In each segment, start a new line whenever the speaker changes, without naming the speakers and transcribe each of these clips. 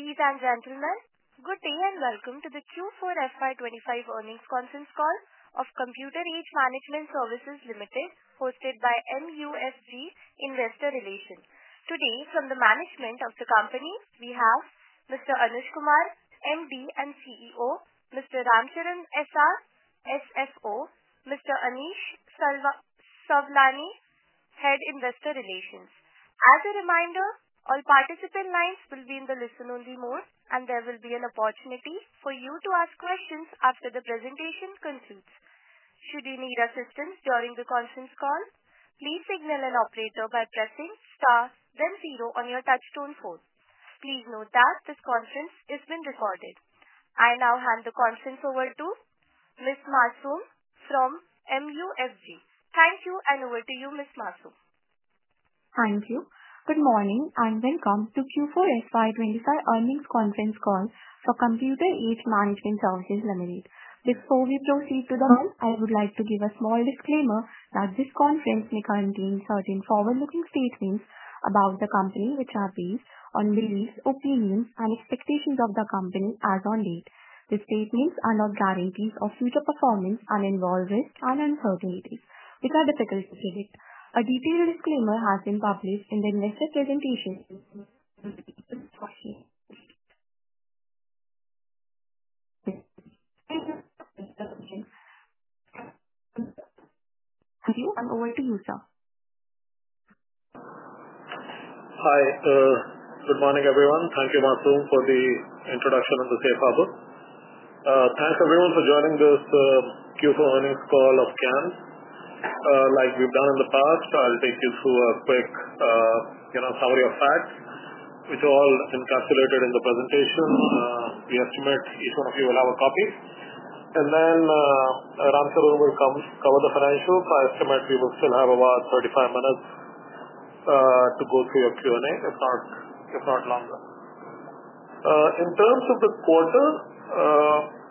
Ladies and gentlemen, good day and welcome to the Q 4FY 2025 earnings conference call of Computer Age Management Services Limited, hosted by MUFG Investor Relations. Today, from the management of the company, we have Mr. Anuj Kumar, MD and CEO, Mr. Ram Charan SR, CFO, and Mr. Anish Sawlani, Head Investor Relations. As a reminder, all participant lines will be in the listen-only mode, and there will be an opportunity for you to ask questions after the presentation concludes. Should you need assistance during the conference call, please signal an operator by pressing star, then zero on your touch-tone phone. Please note that this conference is being recorded. I now hand the conference over to Ms. Masoom from MSCI. Thank you, and over to you, Ms. Masoom.
Thank you. Good morning and welcome to Q4 FY 2025 earnings conference call for Computer Age Management Services Limited. Before we proceed to the call, I would like to give a small disclaimer that this conference may contain certain forward-looking statements about the company, which are based on beliefs, opinions, and expectations of the company as of late. These statements are not guarantees of future performance and involve risks and uncertainties, which are difficult to predict. A detailed disclaimer has been published in the investor presentation. Thank you. Over to you, sir.
Hi. Good morning, everyone. Thank you, Masoom, for the introduction on the Safe Hub. Thanks, everyone, for joining this Q4 earnings call of CAMS. Like we've done in the past, I'll take you through a quick summary of facts, which are all encapsulated in the presentation. We estimate each one of you will have a copy. Then Ram Charan will cover the financials. I estimate we will still have about 35 minutes to go through your Q&A, if not longer. In terms of the quarter,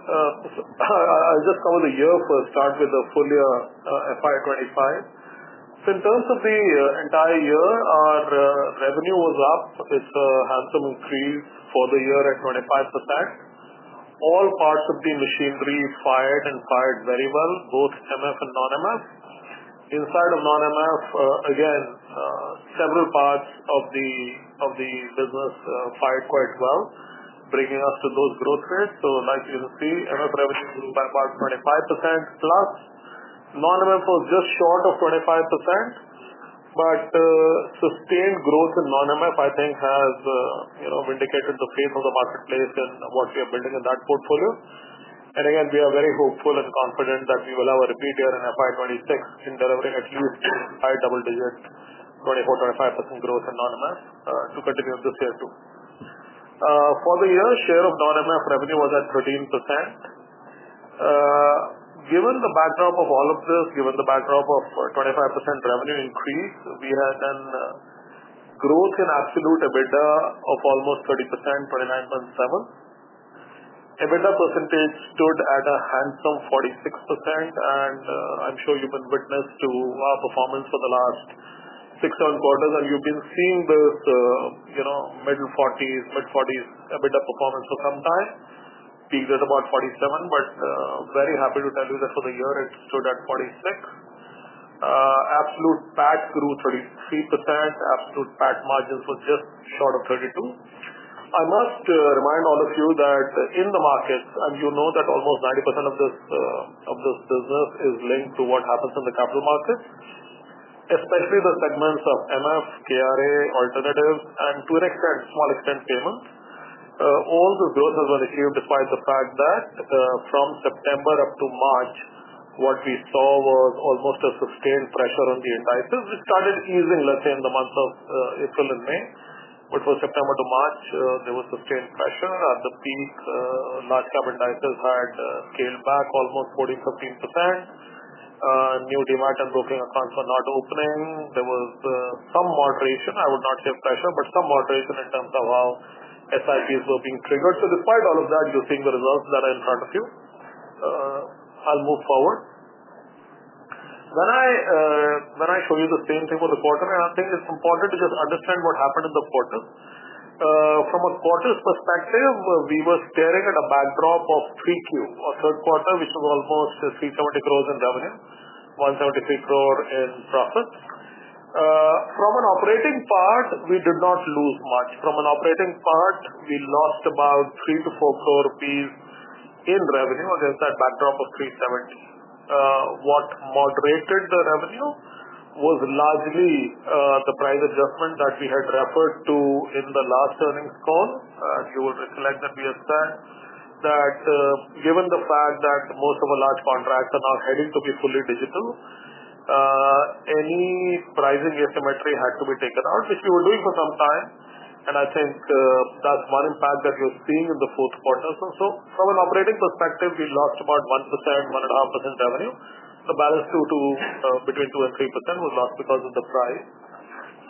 I'll just cover the year for a start with the full year FY 2025. In terms of the entire year, our revenue was up. It's a handsome increase for the year at 25%. All parts of the machinery fired and fired very well, both MF and non-MF. Inside of non-MF, again, several parts of the business fired quite well, bringing us to those growth rates. Like you can see, MF revenue grew by about 25%+ non-MF was just short of 25%. Sustained growth in non-MF, I think, has vindicated the faith of the marketplace and what we are building in that portfolio. Again, we are very hopeful and confident that we will have a repeat year in FY 2026 in delivering at least high double-digit 24%-25% growth in non-MF to continue this year too. For the year, share of non-MF revenue was at 13%. Given the backdrop of all of this, given the backdrop of 25% revenue increase, we had then growth in absolute EBITDA of almost 30%, 29.7%. EBITDA percentage stood at a handsome 46%. I'm sure you've been witness to our performance for the last six-seven quarters. You have been seeing this middle 40%s, mid 40%s EBITDA performance for some time. Peaked at about 47%, but very happy to tell you that for the year, it stood at 46%. Absolute PAT grew 33%. Absolute PAT margins were just short of 32%. I must remind all of you that in the markets, and you know that almost 90% of this business is linked to what happens in the capital markets, especially the segments of MF, KRA, alternatives, and to a small extent payments. All the growth has been achieved despite the fact that from September up to March, what we saw was almost a sustained pressure on the indices. It started easing, let's say, in the months of April and May, but for September to March, there was sustained pressure at the peak. Large cap indices had scaled back almost 14%-15%. New demand and broking accounts were not opening. There was some moderation. I would not say pressure, but some moderation in terms of how SIPs were being triggered. Despite all of that, you're seeing the results that are in front of you. I'll move forward. I show you the same thing for the quarter. I think it's important to just understand what happened in the quarter. From a quarter's perspective, we were staring at a backdrop of 3Q, a third quarter, which was almost 370 crore in revenue, 173 crore in profits. From an operating part, we did not lose much. From an operating part, we lost about 3 crore-4 crore rupees in revenue, against that backdrop of 370 crore. What moderated the revenue was largely the price adjustment that we had referred to in the last earnings call. You will recollect that we had said that given the fact that most of our large contracts are now heading to be fully digital, any pricing asymmetry had to be taken out, which we were doing for some time. I think that is one impact that you are seeing in the fourth quarter. From an operating perspective, we lost about 1%-1.5% revenue. The balance between 2%-3% was lost because of the price.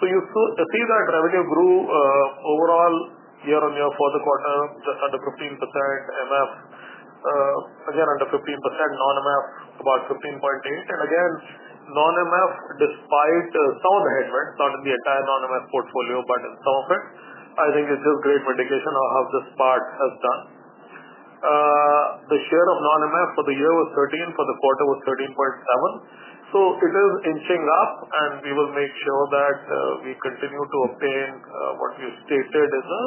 You see that revenue grew overall year on year for the quarter, just under 15%. MF, again, under 15%. Non-MF, about 15.8%. Again, non-MF, despite some of the headwinds, not in the entire non-MF portfolio, but in some of it, I think it is just great vindication of how this part has done. The share of non-MF for the year was 13%. For the quarter, it was 13.7%. It is inching up, and we will make sure that we continue to obtain what we stated as a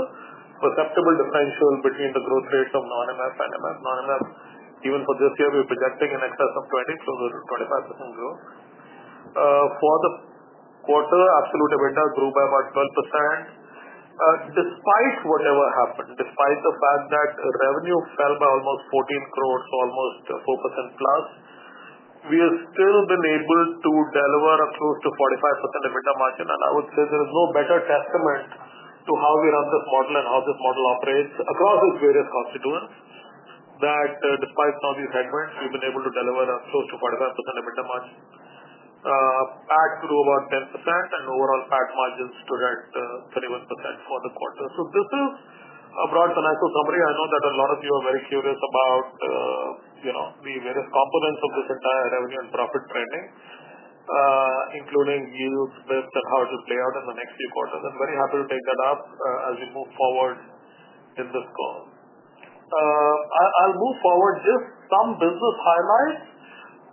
perceptible differential between the growth rates of non-MF and MF. Non-MF, even for this year, we're projecting in excess of 20%, closer to 25% growth. For the quarter, absolute EBITDA grew by about 12%. Despite whatever happened, despite the fact that revenue fell by almost 14 crore, almost 4%+, we have still been able to deliver a close to 45% EBITDA margin. I would say there is no better testament to how we run this model and how this model operates across its various constituents that despite some of these headwinds, we've been able to deliver a close to 45% EBITDA margin. PAT grew about 10%, and overall PAT margins stood at 21% for the quarter. This is a broad financial summary. I know that a lot of you are very curious about the various components of this entire revenue and profit trending, including yields based on how it will play out in the next few quarters. I'm very happy to take that up as we move forward in this call. I'll move forward to just some business highlights.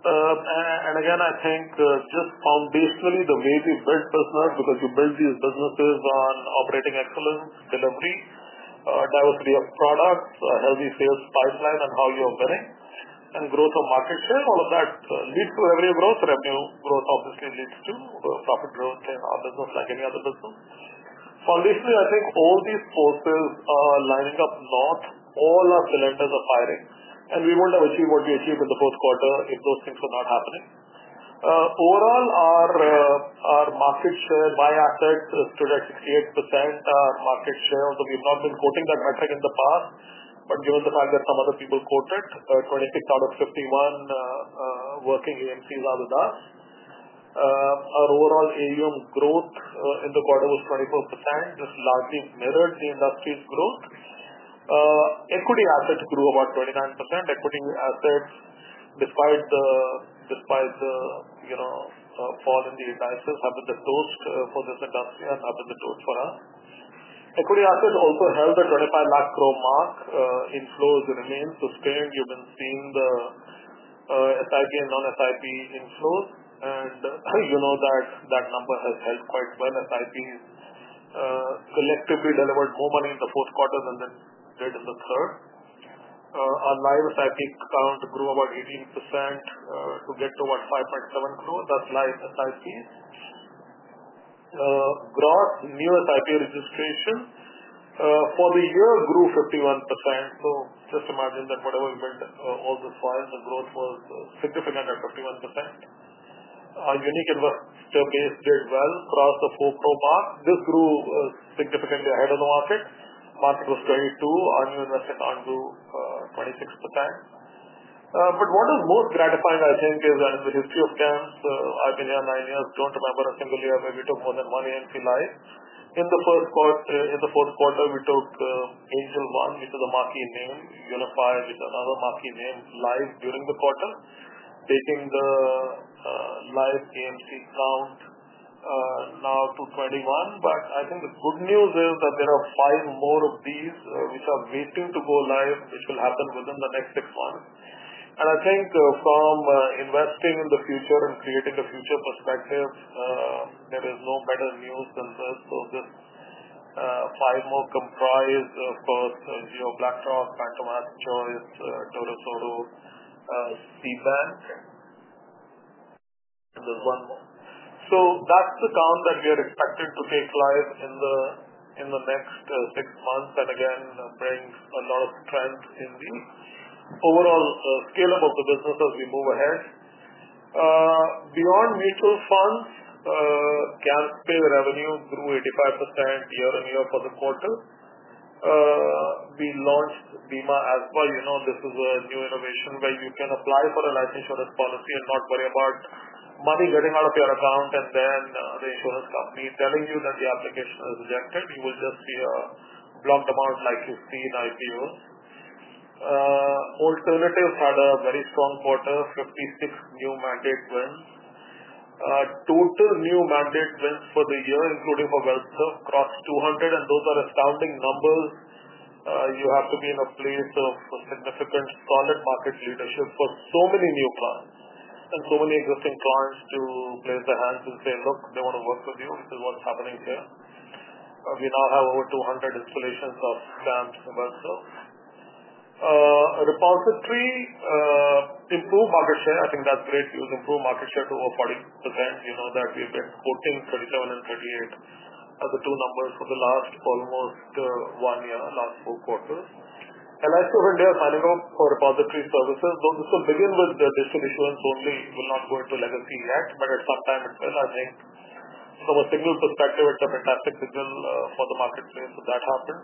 I think just foundationally, the way we build business, because you build these businesses on operating excellence, delivery, diversity of products, a healthy sales pipeline, and how you're winning, and growth of market share, all of that leads to revenue growth. Revenue growth, obviously, leads to profit growth in our business, like any other business. Foundationally, I think all these forces are lining up north. All our cylinders are firing, and we wouldn't have achieved what we achieved in the fourth quarter if those things were not happening. Overall, our market share by assets stood at 68%. Our market share, although we've not been quoting that metric in the past, but given the fact that some other people quoted 26 out of 51 working AMCs out of that, our overall AUM growth in the quarter was 24%, which largely mirrored the industry's growth. Equity assets grew about 29%. Equity assets, despite the fall in the indices, have been the toast for this industry and have been the toast for us. Equity assets also held the 25 trillion mark. Inflows remained sustained. You know, you've been seeing the SIP and non-SIP inflows. And you know that that number has held quite well. SIPs collectively delivered more money in the fourth quarter than they did in the third. Our live SIP count grew about 18% to get to about 5.7 crore. That's live SIPs. Gross new SIP registration for the year grew 51%. Just imagine that whatever we've been, all this while, the growth was significant at 51%. Our unique investor base did well across the INR 4 crore mark. This grew significantly ahead of the market. Market was 22%. Our new investor count grew 26%. What is most gratifying, I think, is in the history of CAMS, I've been here nine years. I do not remember a single year where we took more than one AMC live. In the fourth quarter, we took Angel One, which is a marquee name, UniFi, which is another marquee name, live during the quarter, taking the live AMC count now to 21%. I think the good news is that there are five more of these which are waiting to go live, which will happen within the next six months. I think from investing in the future and creating a future perspective, there is no better news than this. These five more comprise, of course, Jio BlackRoc, Pantomath, Choice, Torus Oro, CeyBank. There is one more. That is the count that we are expected to take live in the next six months and again brings a lot of strength in the overall scale of the business as we move ahead. Beyond mutual funds, CAMSPay revenue grew 85% year-on-year for the quarter. We launched BIMA-ASBA. This is a new innovation where you can apply for a life insurance policy and not worry about money getting out of your account and then the insurance company telling you that the application is rejected. You will just see a blocked amount like you see in IPOs. Alternatives had a very strong quarter, 56 new mandate wins. Total new mandate wins for the year, including for WealthServ, crossed 200. Those are astounding numbers. You have to be in a place of significant solid market leadership for so many new clients and so many existing clients to place their hands and say, "Look, they want to work with you. This is what's happening here." We now have over 200 installations of CAMS and WealthServ. Repository improved market share. I think that's great news. Improved market share to over 40%. You know that we've been quoting 37% and 38% as the two numbers for the last almost one year, last four quarters. LIC of India is signing up for repository services. Though this will begin with digital issuance only, it will not go into legacy yet, but at some time it will. I think from a signal perspective, it's a fantastic signal for the marketplace that that happened.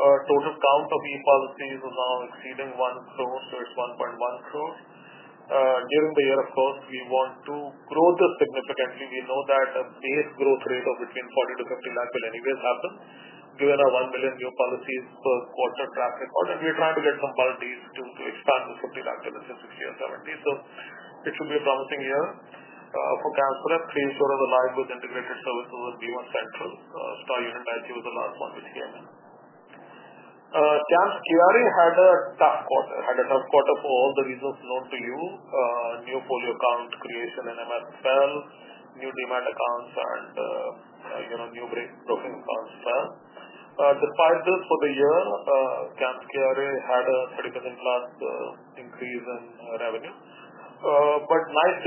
Total count of e-policies is now exceeding 1 crore, so it's 1.1 crore. During the year, of course, we want to grow this significantly. We know that a base growth rate of between 40,000 crore-50,000 crore will anyways happen, given our 1 million new policies per quarter track record. We are trying to get some ball Ds to expand to INR 50,000 crore within 60,000 crore or 70,000 crore. It should be a promising year. For CAMSRep isurance, three issuers are live with integrated services and Bima Central, Star Union Dai-Chi was the last one which came in. CAMS KRA had a tough quarter, had a tough quarter for all the reasons known to you. New folio account creation in mutual funds fell, new Demat accounts, and new broking accounts fell. Despite this, for the year, CAMS KRA had a 30%+ increase in revenue. Nice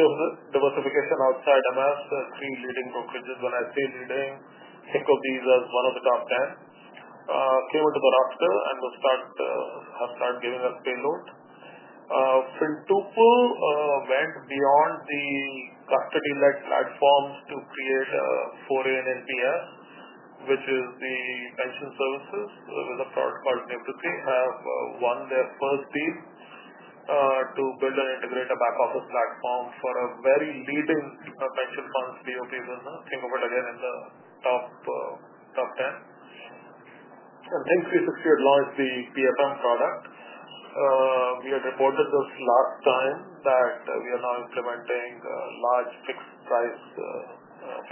diversification outside MF, three leading brokerages, when I say leading, Hickory's as one of the top 10, came into the roster and have started giving us payload. FinTuple went beyond the custody-led platforms to create a foreign NPS, which is the pension services with a product called Fintuple. They have won their first deal to build and integrate a back office platform for a very leading pension funds PoP business. Think of it again in the top 10. Think360 had launched the PFM product. We had reported this last time that we are now implementing large fixed price,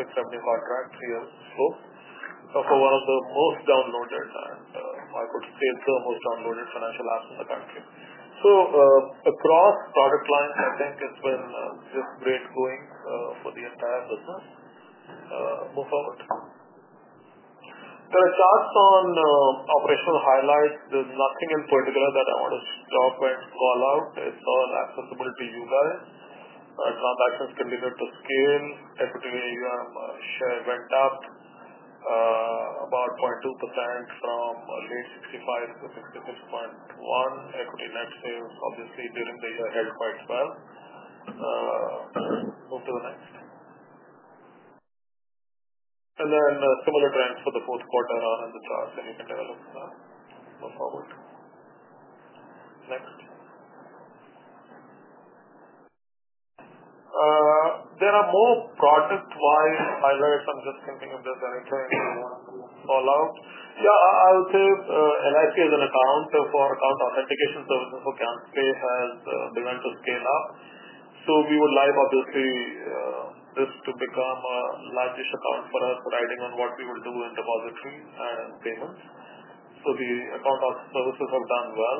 fixed revenue contracts here in Swift for one of the most downloaded, and I could say the most downloaded financial apps in the country. Across product lines, I think it's been just great going for the entire business. Move forward. There are charts on operational highlights. There's nothing in particular that I want to stop and call out. It's all accessible to you guys. Transactions continued to scale. Equity AUM share went up about 0.2% from late 65%-66.1%. Equity net savings, obviously, during the year held quite well. Move to the next. Similar trends for the fourth quarter are in the charts that you can develop now. Move forward. Next. There are more product-wide highlights. I'm just thinking if there's anything you want to call out. Yeah, I would say LIC as an account for account authentication services for CAMSPay has begun to scale up. We would like, obviously, this to become a largish account for us, riding on what we will do in depository and payments. The account services have done well.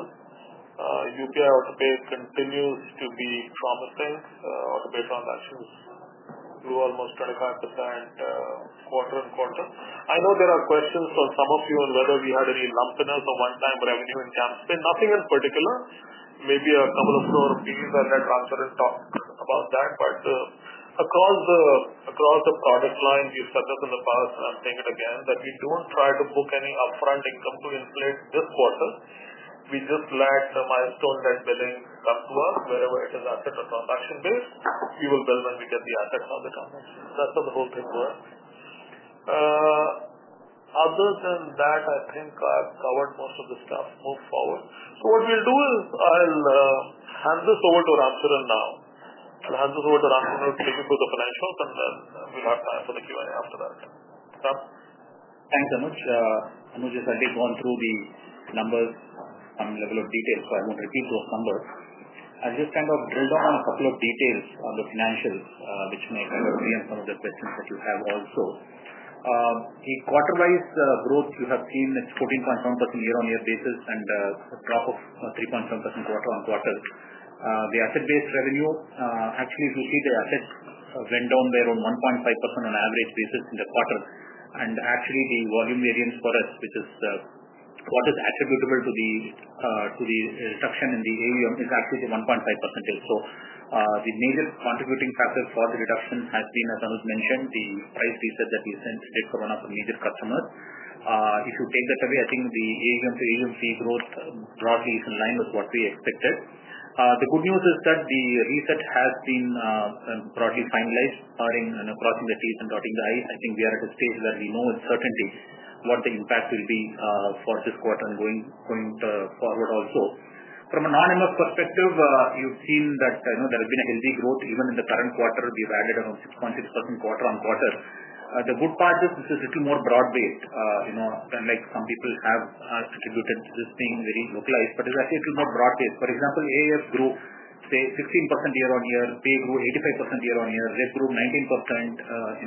UPI AutoPay continues to be promising. Autopay transactions grew almost 25% quarter-on-quarter. I know there are questions from some of you on whether we had any lumpiness or one-time revenue in CAMSPay. Nothing in particular. Maybe a couple of store of fees and let Ram Charan talk about that. Across the product lines, we've said this in the past, and I'm saying it again, that we do not try to book any upfront income to inflate this quarter. We just let the milestone-led billing come to us. Wherever it is asset or transaction-based, we will bill when we get the assets on the transaction. That is how the whole thing works. Other than that, I think I have covered most of the stuff. Move forward. What we will do is I will hand this over to Ram Charan now. I'll hand this over to Ram Charan and take you through the financials, and then we'll have time for the Q&A after that. Okay?
Thanks, Anuj. Anuj has already gone through the numbers and some level of details, so I won't repeat those numbers. I'll just kind of drill down on a couple of details on the financials, which may kind of reinforce some of the questions that you have also. The quarter-wise growth you have seen is 14.7% year on year basis and a drop of 3.7% quarter-on-quarter. The asset-based revenue, actually, if you see the assets went down by around 1.5% on average basis in the quarter. And actually, the volume variance for us, which is what is attributable to the reduction in the AUM, is actually the 1.5%. The major contributing factor for the reduction has been, as Anuj mentioned, the price reset that we sent straight for one of our major customers. If you take that away, I think the AUM to AUM fee growth broadly is in line with what we expected. The good news is that the reset has been broadly finalized. Starring and crossing the T's and dotting the I's. I think we are at a stage where we know with certainty what the impact will be for this quarter and going forward also. From a non-MF perspective, you've seen that there has been a healthy growth even in the current quarter. We've added around 6.6% quarter on quarter. The good part is this is a little more broad-based than some people have attributed to this being very localized, but it's actually a little more broad-based. For example, AIF grew, say, 16% year-on-year. Pay grew 85% year-one-year. REB grew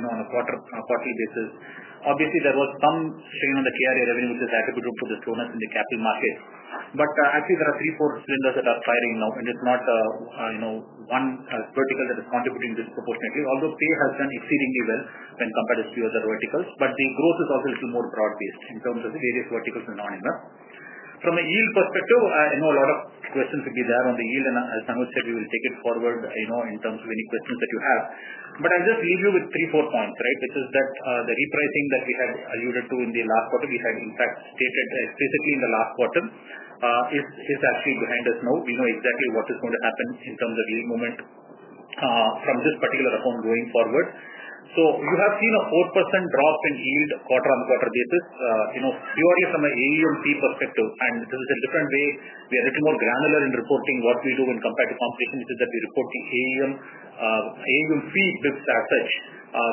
19% on a quarterly basis. Obviously, there was some strain on the KRA revenue, which is attributed to the slowness in the capital market. Actually, there are three, four cylinders that are firing now, and it's not one vertical that is contributing disproportionately. Although pay has done exceedingly well when compared to a few other verticals, the growth is also a little more broad-based in terms of the various verticals in non-MF. From a yield perspective, I know a lot of questions will be there on the yield, and as Anuj said, we will take it forward in terms of any questions that you have. I'll just leave you with three, four points, right, which is that the repricing that we had alluded to in the last quarter, we had in fact stated explicitly in the last quarter, is actually behind us now. We know exactly what is going to happen in terms of yield movement from this particular account going forward. You have seen a 4% drop in yield quarter on quarter basis. Theory from an AUM fee perspective, and this is a different way. We are a little more granular in reporting what we do when compared to computation, which is that we report the AUM fee basis points as such,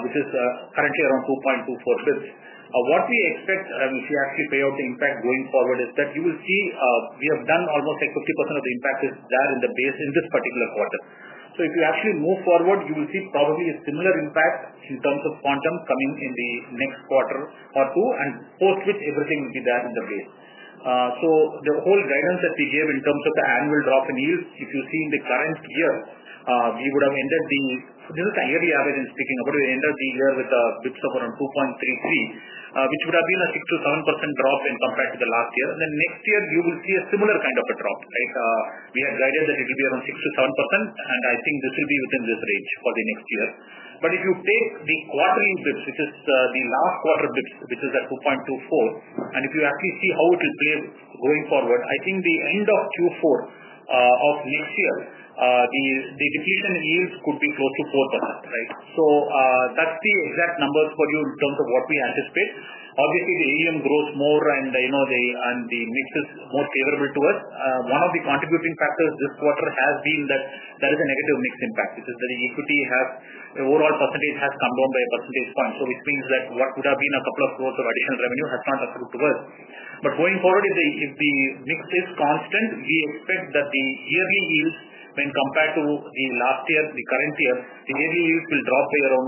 which is currently around 2.24 basis points. What we expect, and we see actually payout the impact going forward, is that you will see we have done almost like 50% of the impact is there in the base in this particular quarter. If you actually move forward, you will see probably a similar impact in terms of quantum coming in the next quarter or two, and post which everything will be there in the base. The whole guidance that we gave in terms of the annual drop in yields, if you see in the current year, we would have ended the—this is a yearly average I'm speaking about. We ended the year with basis points of around 2.33%, which would have been a 6%-7% drop compared to the last year. Next year, you will see a similar kind of a drop, right? We had guided that it will be around 6%-7%, and I think this will be within this range for the next year. If you take the quarterly basis points, which is the last quarter basis points, which is at 2.24, and if you actually see how it will play going forward, I think the end of Q4 of next year, the depletion in yields could be close to 4%, right? That is the exact numbers for you in terms of what we anticipate. Obviously, the AUM grows more, and the mix is more favorable to us. One of the contributing factors this quarter has been that there is a negative mix impact, which is that the equity overall percentage has come down by a percentage point, which means that what would have been a couple of growth or additional revenue has not affected to us. Going forward, if the mix is constant, we expect that the yearly yields when compared to last year, the current year, the yearly yields will drop by around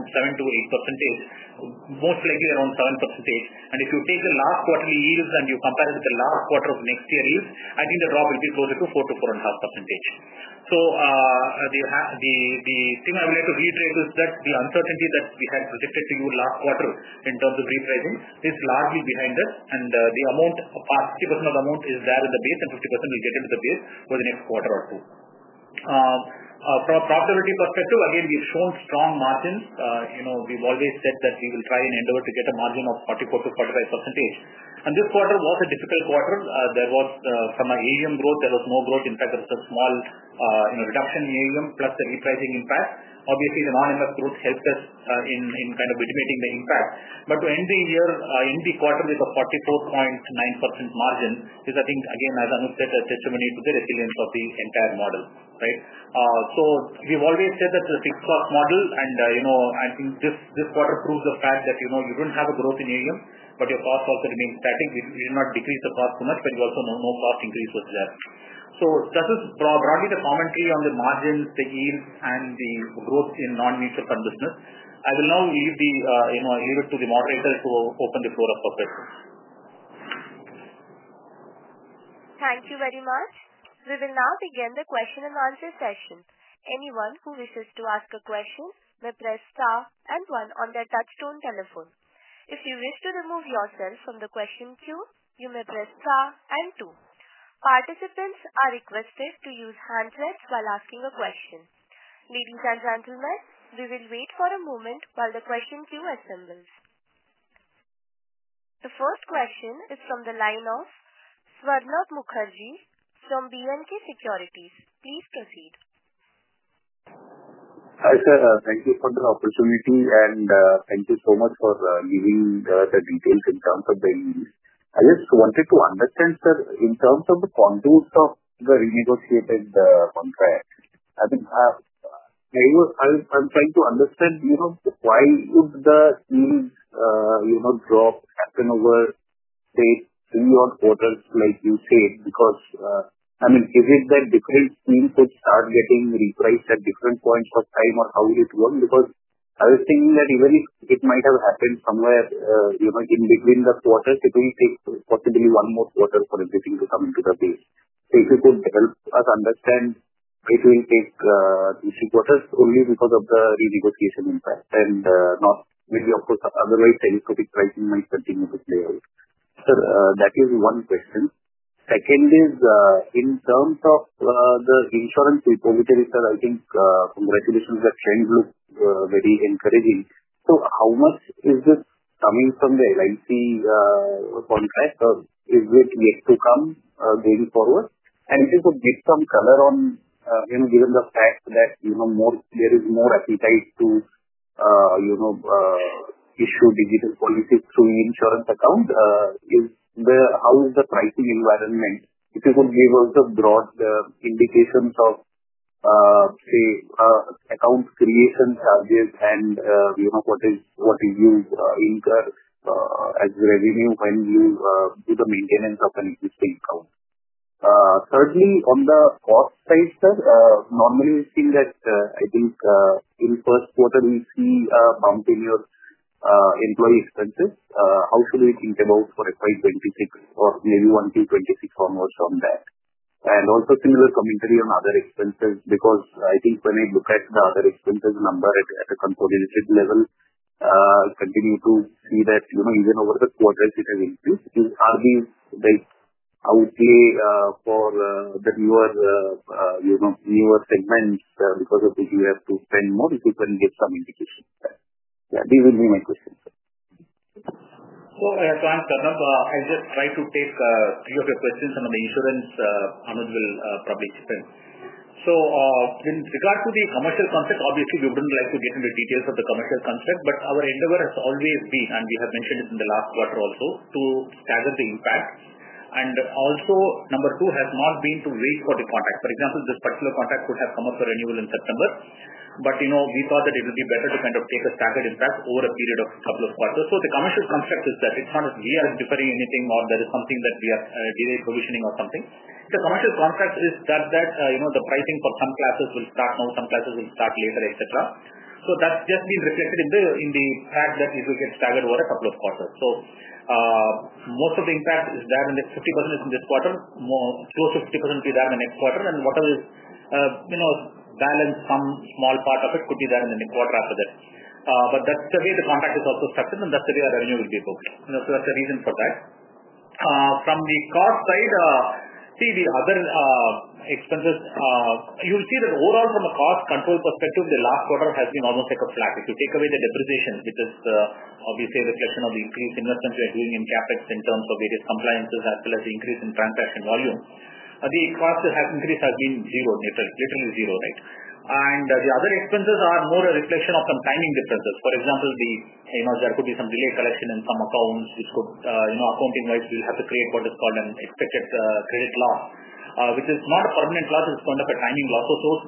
7%-8%, most likely around 7%. If you take the last quarterly yields and you compare it with the last quarter of next year yields, I think the drop will be closer to 4%-4.5%. The thing I would like to reiterate is that the uncertainty that we had predicted to you last quarter in terms of repricing is largely behind us, and the amount, about 50% of the amount, is there in the base, and 50% will get into the base for the next quarter or two. From a profitability perspective, again, we've shown strong margins. We've always said that we will try and endure to get a margin of 44%-45%. This quarter was a difficult quarter. There was, from an AUM growth, there was no growth. In fact, there was a small reduction in AUM plus the repricing impact. Obviously, the non-MF growth helped us in kind of mitigating the impact. To end the year, end the quarter with a 44.9% margin is, I think, again, as Anuj said, a testimony to the resilience of the entire model, right? We've always said that the fixed cost model, and I think this quarter proves the fact that you do not have a growth in AUM, but your cost also remains static. We did not decrease the cost too much, but you also know no cost increase was there. So that is broadly the commentary on the margins, the yields, and the growth in non-mutual fund business. I will now leave it to the moderator to open the floor up for questions.
Thank you very much. We will now begin the question-and-answer session. Anyone who wishes to ask a question may press star and one on their touchstone telephone. If you wish to remove yourself from the question queue, you may press star and two. Participants are requested to use hand raise while asking a question. Ladies and gentlemen, we will wait for a moment while the question queue assembles. The first question is from the line of Swarnabha Mukherjee from B & K Securities. Please proceed.
Hi, sir. Thank you for the opportunity, and thank you so much for giving the details in terms of the yields. I just wanted to understand, sir, in terms of the contours of the renegotiated contract, I think I'm trying to understand why would the yield drop happen over, say, three or four quarters, like you said? Because, I mean, is it that different things would start getting repriced at different points of time or how will it work? Because I was thinking that even if it might have happened somewhere in between the quarters, it will take possibly one more quarter for everything to come into the base. If you could help us understand, it will take two or three quarters only because of the renegotiation impact and not maybe, of course, otherwise telescopic pricing might continue to play out. Sir, that is one question. Second is, in terms of the insurance repository, sir, I think congratulations have changed, look very encouraging. How much is this coming from the LIC contract, or is it yet to come going forward? If you could give some color on, given the fact that there is more appetite to issue digital policies through the insurance account, how is the pricing environment? If you could give us the broad indications of, say, account creation charges and what do you incur as revenue when you do the maintenance of an existing account? Thirdly, on the cost side, sir, normally we have seen that I think in the first quarter we see a bump in your employee expenses. How should we think about for FY 2026 or maybe 1Q 2026 onwards from that? Also, similar commentary on other expenses because I think when I look at the other expenses number at a component level, I continue to see that even over the quarters it has increased. Are these like outlay for the newer segments because of which you have to spend more? If you can give some indication of that. Yeah, these will be my questions.
Swarnabha, I'll just try to take three of your questions, and on the insurance, Anuj will probably explain. With regard to the commercial concept, obviously, we would not like to get into details of the commercial concept, but our endeavor has always been, and we have mentioned it in the last quarter also, to stagger the impact. Also, number two has not been to wait for the contract. For example, this particular contract could have come up for renewal in September, but we thought that it would be better to kind of take a staggered impact over a period of a couple of quarters. The commercial construct is that it's not we are deferring anything or there is something that we are delayed provisioning or something. The commercial construct is that the pricing for some classes will start now, some classes will start later, etc. That's just been reflected in the fact that it will get staggered over a couple of quarters. Most of the impact is there, and 50% is in this quarter. Close to 50% will be there in the next quarter, and whatever is balanced, some small part of it could be there in the next quarter after that. That's the way the contract is also structured, and that's the way our revenue will be booked. That's the reason for that. From the cost side, see the other expenses. You'll see that overall, from a cost control perspective, the last quarter has been almost like a flat. If you take away the depreciation, which is obviously a reflection of the increased investment we are doing in CapEx in terms of various compliances as well as the increase in transaction volume, the cost increase has been zero, literally zero, right? The other expenses are more a reflection of some timing differences. For example, there could be some delayed collection in some accounts, which could accounting-wise, we'll have to create what is called an expected credit loss, which is not a permanent loss. It's kind of a timing loss.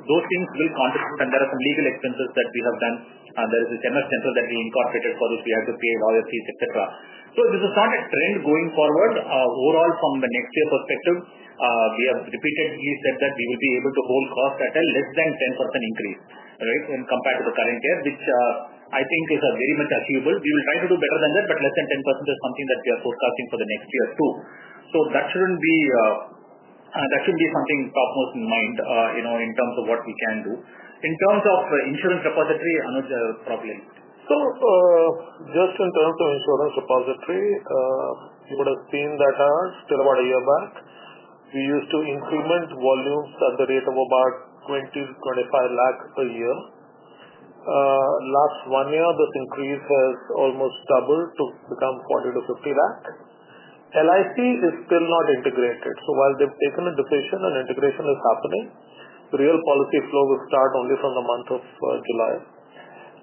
Those things will contribute, and there are some legal expenses that we have done. There is this MF Central that we incorporated for which we had to pay all the fees, etc. This is not a trend going forward. Overall, from the next year perspective, we have repeatedly said that we will be able to hold costs at a less than 10% increase, right, when compared to the current year, which I think is very much achievable. We will try to do better than that, but less than 10% is something that we are forecasting for the next year too. That should not be something top-notch in mind in terms of what we can do. In terms of insurance repository, Anuj, probably.
Just in terms of insurance repository, you would have seen that still about a year back, we used to increment volumes at the rate of about 20,000 crore-25 crore per year. Last one year, this increase has almost doubled to become 40, 000 crore-INR 50, 000 crore. LIC is still not integrated. While they've taken a decision and integration is happening, the real policy flow will start only from the month of July.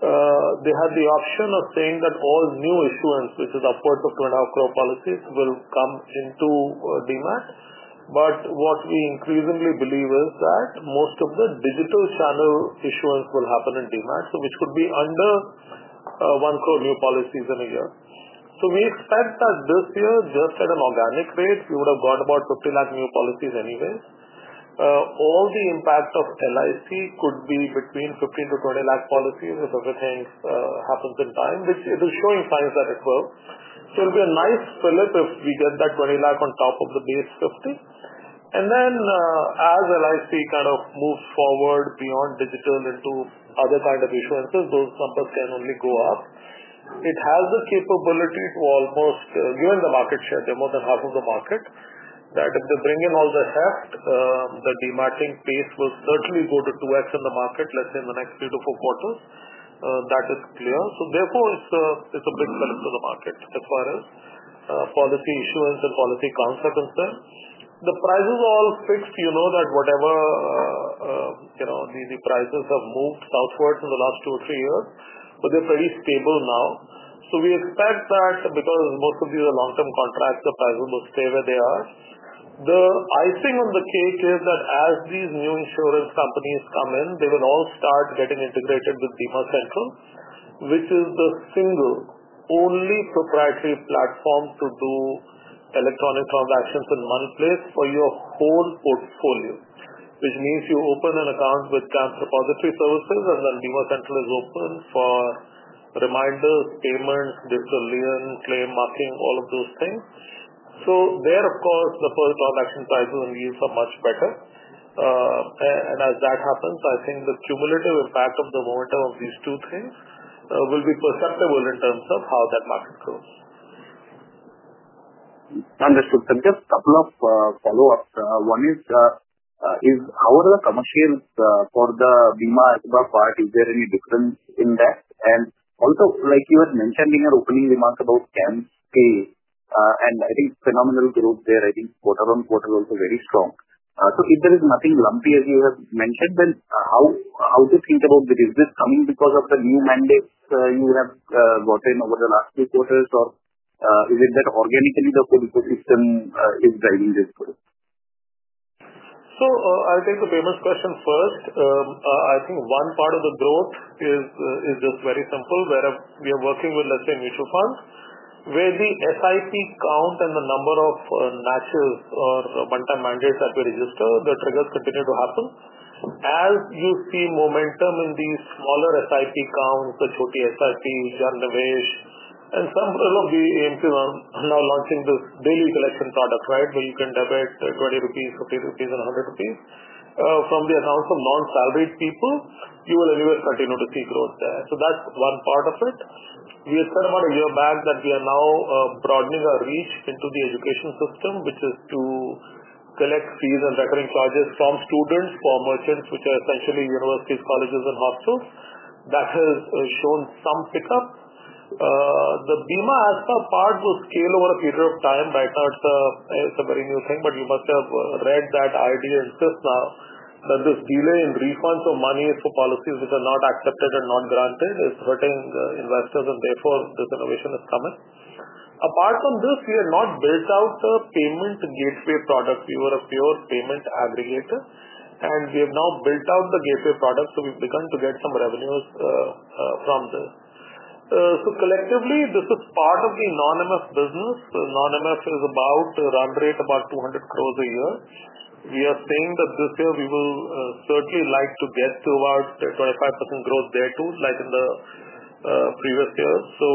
They had the option of saying that all new issuance, which is upwards of 2.5 billion policies, will come into DMAT. What we increasingly believe is that most of the digital channel issuance will happen in DMAT, which could be under 100 million new policies in a year. We expect that this year, just at an organic rate, we would have got about 50,000 crore new policies anyway. All the impact of LIC could be between 15,000 crore-20,000 crore policies if everything happens in time, which is showing signs that it will. It'll be a nice fill-up if we get that INR 20, 000 crore on top of the base 50, 000 crore. As LIC kind of moves forward beyond digital into other kind of issuances, those numbers can only go up. It has the capability to almost, given the market share, they are more than half of the market, that if they bring in all the HEF, the DMATing pace will certainly go to 2x in the market, let's say in the next three to four quarters. That is clear. Therefore, it is a big pillar to the market as far as policy issuance and policy counts are concerned. The prices are all fixed. You know that whatever the prices have moved southwards in the last two or three years, but they are pretty stable now. We expect that because most of these are long-term contracts, the prices will stay where they are. The icing on the cake is that as these new insurance companies come in, they will all start getting integrated with Bima Central, which is the single only proprietary platform to do electronic transactions in one place for your whole portfolio, which means you open an account with CAMS Repository services, and then Bima Central is open for reminders, payments, digital lien, claim marking, all of those things. There, of course, the first transaction prices and yields are much better. As that happens, I think the cumulative impact of the momentum of these two things will be perceptible in terms of how that market grows.
Understood. Just a couple of follow-ups. One is, is our commercial for the BAMA-ASBA part, is there any difference in that? Like you had mentioned in your opening remarks about CAMSPay, and I think phenomenal growth there, I think quarter on quarter also very strong. If there is nothing lumpy, as you have mentioned, then how to think about the business coming because of the new mandates you have gotten over the last few quarters, or is it that organically the whole ecosystem is driving this growth?
I'll take the famous question first. I think one part of the growth is just very simple, where we are working with, let's say, mutual funds, where the SIP count and the number of matches or one-time mandates that we register, the triggers continue to happen. As you see momentum in these smaller SIP counts, Choti SIP, Jan Nivesh, and several of the AMCs are now launching this daily collection product, right, where you can debit 20 crore rupees, 50 crore rupees, and 100 crore rupees from the accounts of non-salaried people. You will anyway continue to see growth there. That is one part of it. We had said about a year back that we are now broadening our reach into the education system, which is to collect fees and recurring charges from students for merchants, which are essentially universities, colleges, and hospitals. That has shown some pickup. The BIMA-ASBA part will scale over a period of time. Right now, it is a very new thing, but you must have read that idea in IRDA now, that this delay in refunds of money for policies which are not accepted and not granted is hurting investors, and therefore, this innovation is coming. Apart from this, we have not built out the payment gateway product. We were a pure payment aggregator, and we have now built out the gateway product, so we've begun to get some revenues from this. Collectively, this is part of the non-MF business. Non-MF is at a run rate of about 200 crore a year. We are saying that this year, we will certainly like to get to about 25% growth there too, like in the previous year, so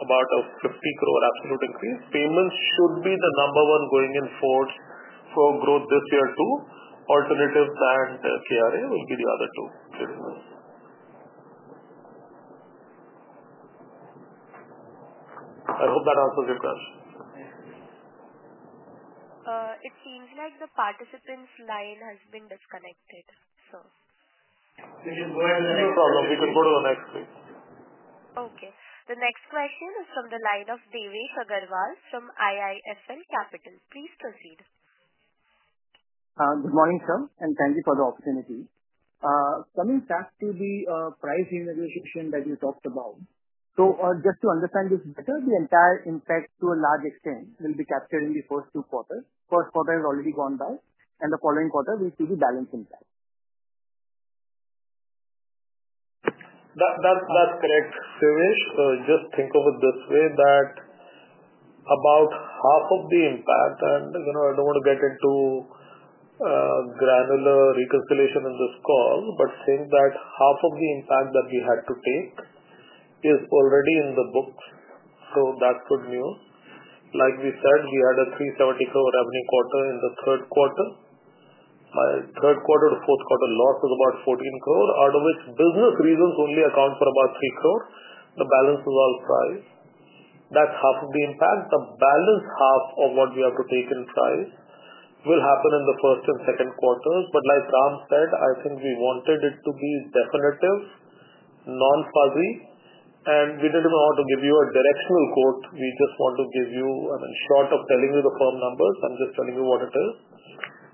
about an 50 crore absolute increase. Payments should be the number one going-in force for growth this year too. Alternatives and KRA will be the other two businesses. I hope that answers your question.
It seems like the participant's line has been disconnected, sir.
No problem. We can go to the next please.
Okay. The next question is from the line of Devesh Agarwal from IIFL Capital. Please proceed.
Good morning, sir, and thank you for the opportunity. Coming back to the price renegotiation that you talked about, just to understand this better, the entire impact to a large extent will be captured in the first two quarters. First quarter has already gone by, and the following quarter will see the balance impact.
That's correct, Devesh. Just think of it this way that about half of the impact, and I don't want to get into granular reconciliation in this call, but saying that half of the impact that we had to take is already in the books. That's good news. Like we said, we had a 370 crore revenue quarter in the third quarter. Third quarter to fourth quarter loss was about 14 crore, out of which business reasons only account for about 3 crore. The balance is all price. That's half of the impact. The balance half of what we have to take in price will happen in the first and second quarters. Like Ram said, I think we wanted it to be definitive, non-fuzzy, and we did not want to give you a directional quote. We just want to give you, in short, the firm numbers. I am just telling you what it is.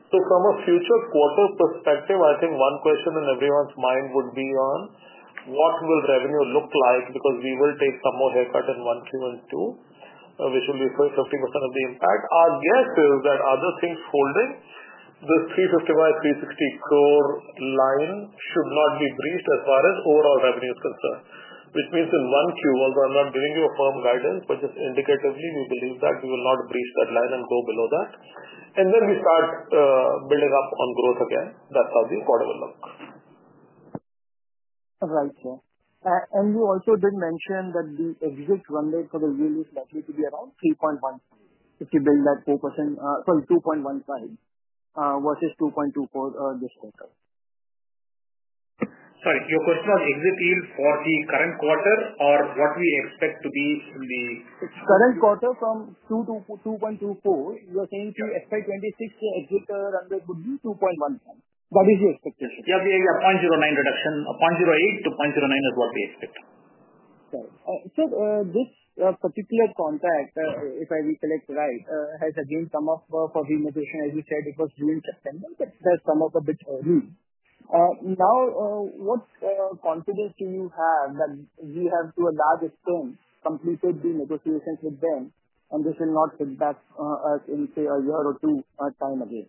From a future quarter perspective, I think one question in everyone's mind would be on what will revenue look like because we will take some more haircut in Q1 and Q2, which will be 50% of the impact. Our guess is that other things holding, this 350 crore-360 crore line should not be breached as far as overall revenue is concerned, which means in one quarter, although I'm not giving you a firm guidance, but just indicatively, we believe that we will not breach that line and go below that. We start building up on growth again. That's how the quarter will look.
Right, sir. You also did mention that the exit run rate for the year is likely to be around 2.15% if you build that 4%, sorry, 2.15% versus 2.24% this quarter.
Sorry, your question on exit yield for the current quarter or what we expect to be in the
Current quarter from 2.24%, you're saying to fiscal year 2026, the exit run rate would be 2.15%. That is the expectation.
Yeah. 0.09% reduction. 0.08%-0.09% is what we expect.
This particular contract, if I recollect right, has again come up for renegotiation, as you said, it was due in September, but it has come up a bit early. Now, what confidence do you have that we have, to a large extent, completed the negotiations with them, and this will not hit back in, say, a year or two time again?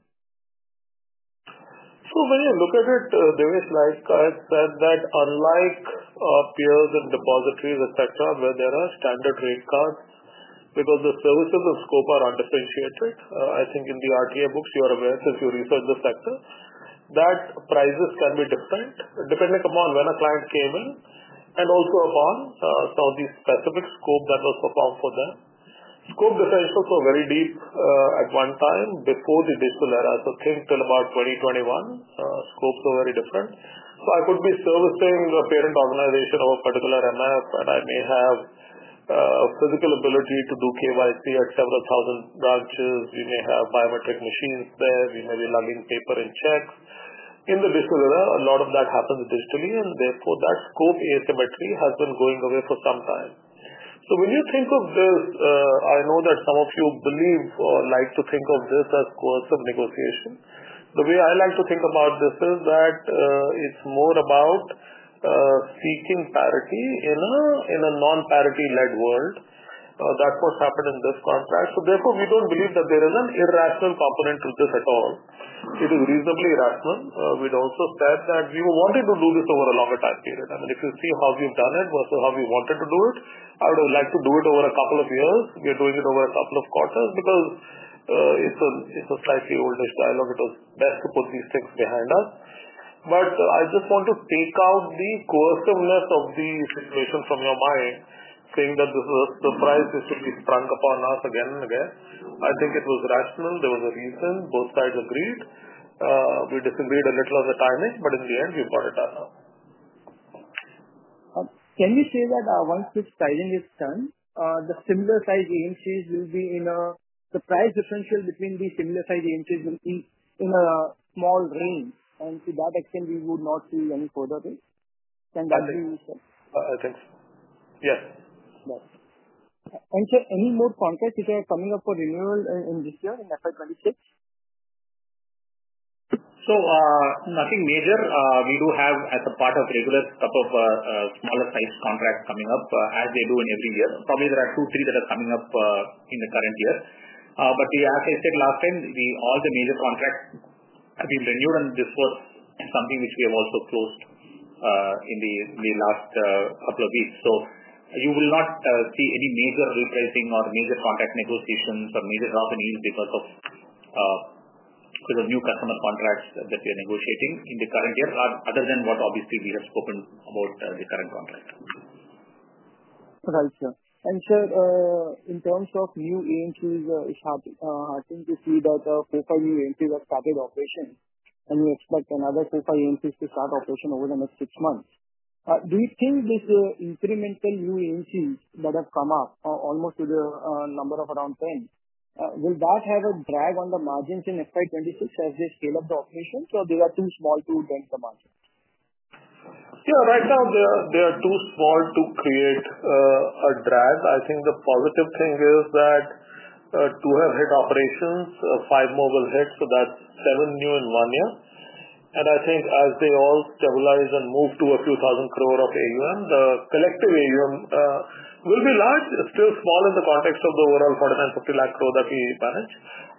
When you look at it, Devesh, like I said, that unlike peers and depositories, etc., where there are standard rate cards, because the services and scope are undifferentiated, I think in the RTA books, you are aware since you researched the sector, that prices can be different depending upon when a client came in and also upon some of the specific scope that was performed for them. Scope differentials were very deep at one time before the digital era. I think till about 2021, scopes were very different. I could be servicing a parent organization of a particular MF, and I may have physical ability to do KYC at several thousand branches. We may have biometric machines there. We may be logging paper and checks. In the digital era, a lot of that happens digitally, and therefore, that scope asymmetry has been going away for some time. When you think of this, I know that some of you believe or like to think of this as coercive negotiation. The way I like to think about this is that it's more about seeking parity in a non-parity-led world. That's what's happened in this contract. Therefore, we don't believe that there is an irrational component to this at all. It is reasonably rational. We'd also said that we were wanting to do this over a longer time period. I mean, if you see how we've done it versus how we wanted to do it, I would have liked to do it over a couple of years. We are doing it over a couple of quarters because it's a slightly old-ish dialogue. It was best to put these things behind us. I just want to take out the coerciveness of the situation from your mind, saying that the price is to be sprung upon us again and again. I think it was rational. There was a reason. Both sides agreed. We disagreed a little on the timing, but in the end, we bought it out.
Can we say that once this sizing is done, the price differential between the similar-sized AMCs will be in a small range, and to that extent, we would not see any further risk.
Yes.
And sir, any more contracts which are coming up for renewal in this year, in FY 2026?
Nothing major. We do have, as a part of regular, a couple of smaller-sized contracts coming up, as they do in every year. Probably there are two or three that are coming up in the current year. As I said last time, all the major contracts have been renewed, and this was something which we have also closed in the last couple of weeks. You will not see any major repricing or major contract negotiations or major drop in yield because of the new customer contracts that we are negotiating in the current year, other than what obviously we have spoken about the current contract. Right, sir.
In terms of new AMCs, it's heartening to see that four or five new AMCs have started operation, and we expect another four or five AMCs to start operation over the next six months. Do you think these incremental new AMCs that have come up, almost to the number of around 10, will that have a drag on the margins in fiscal year 2026 as they scale up the operation, or they are too small to dent the margins?
Right now, they are too small to create a drag. I think the positive thing is that two have hit operations. Five more will hit, so that's seven new in one year. I think as they all stabilize and move to a few thousand crore of AUM, the collective AUM will be large, still small in the context of the overall 4.9-5.0 trillion that we manage.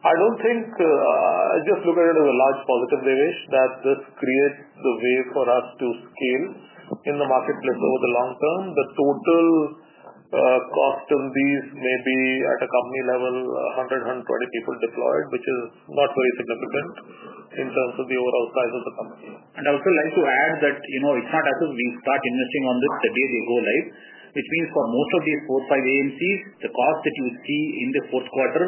I don't think I just look at it as a large positive, Devesh, that this creates the way for us to scale in the marketplace over the long term. The total cost of these may be, at a company level, 100-120 people deployed, which is not very significant in terms of the overall size of the company.
I also like to add that it's not as if we start investing on this the day they go live, which means for most of these four or five AMCs, the cost that you see in the fourth quarter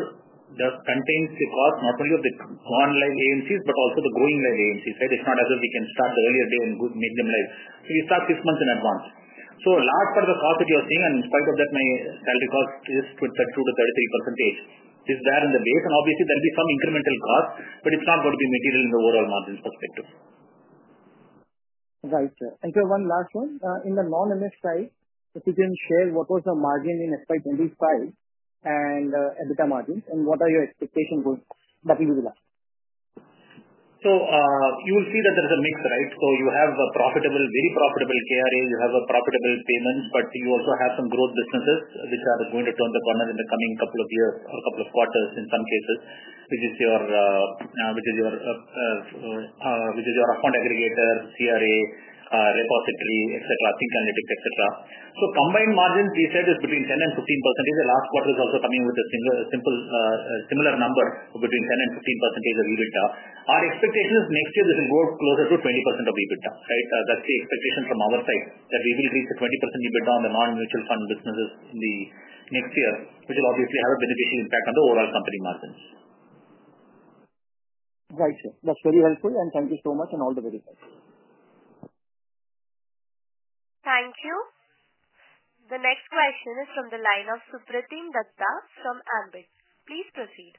contains the cost not only of the gone live AMCs, but also the going live AMCs. Right? It's not as if we can start the earlier day and make them live. We start six months in advance. A large part of the cost that you are seeing, and in spite of that, my salary cost is 22%-33%. It's there in the base, and obviously, there'll be some incremental cost, but it's not going to be material in the overall margins perspective.
Right, sir. Sir, one last one. In the non-MF side, if you can share what was the margin in FY 2025 and EBITDA margins, and what are your expectations going to be?
You will see that there's a mix, right? You have a profitable, very profitable KRA. You have a profitable payments, but you also have some growth businesses which are going to turn the corner in the coming couple of years or couple of quarters in some cases, which is your upfront aggregator, CRA, repository, etc., think analytics, etc. So combined margins, we said, is between 10% and 15%. The last quarter is also coming with a similar number, between 10% and 15% of EBITDA. Our expectation is next year this will go closer to 20% of EBITDA. Right? That's the expectation from our side that we will reach a 20% EBITDA on the non-mutual fund businesses in the next year, which will obviously have a beneficial impact on the overall company margins.
Right, sir. That's very helpful, and thank you so much and all the very best.
Thank you. The next question is from the line of Suprateem Dutta from Ambit. Please proceed.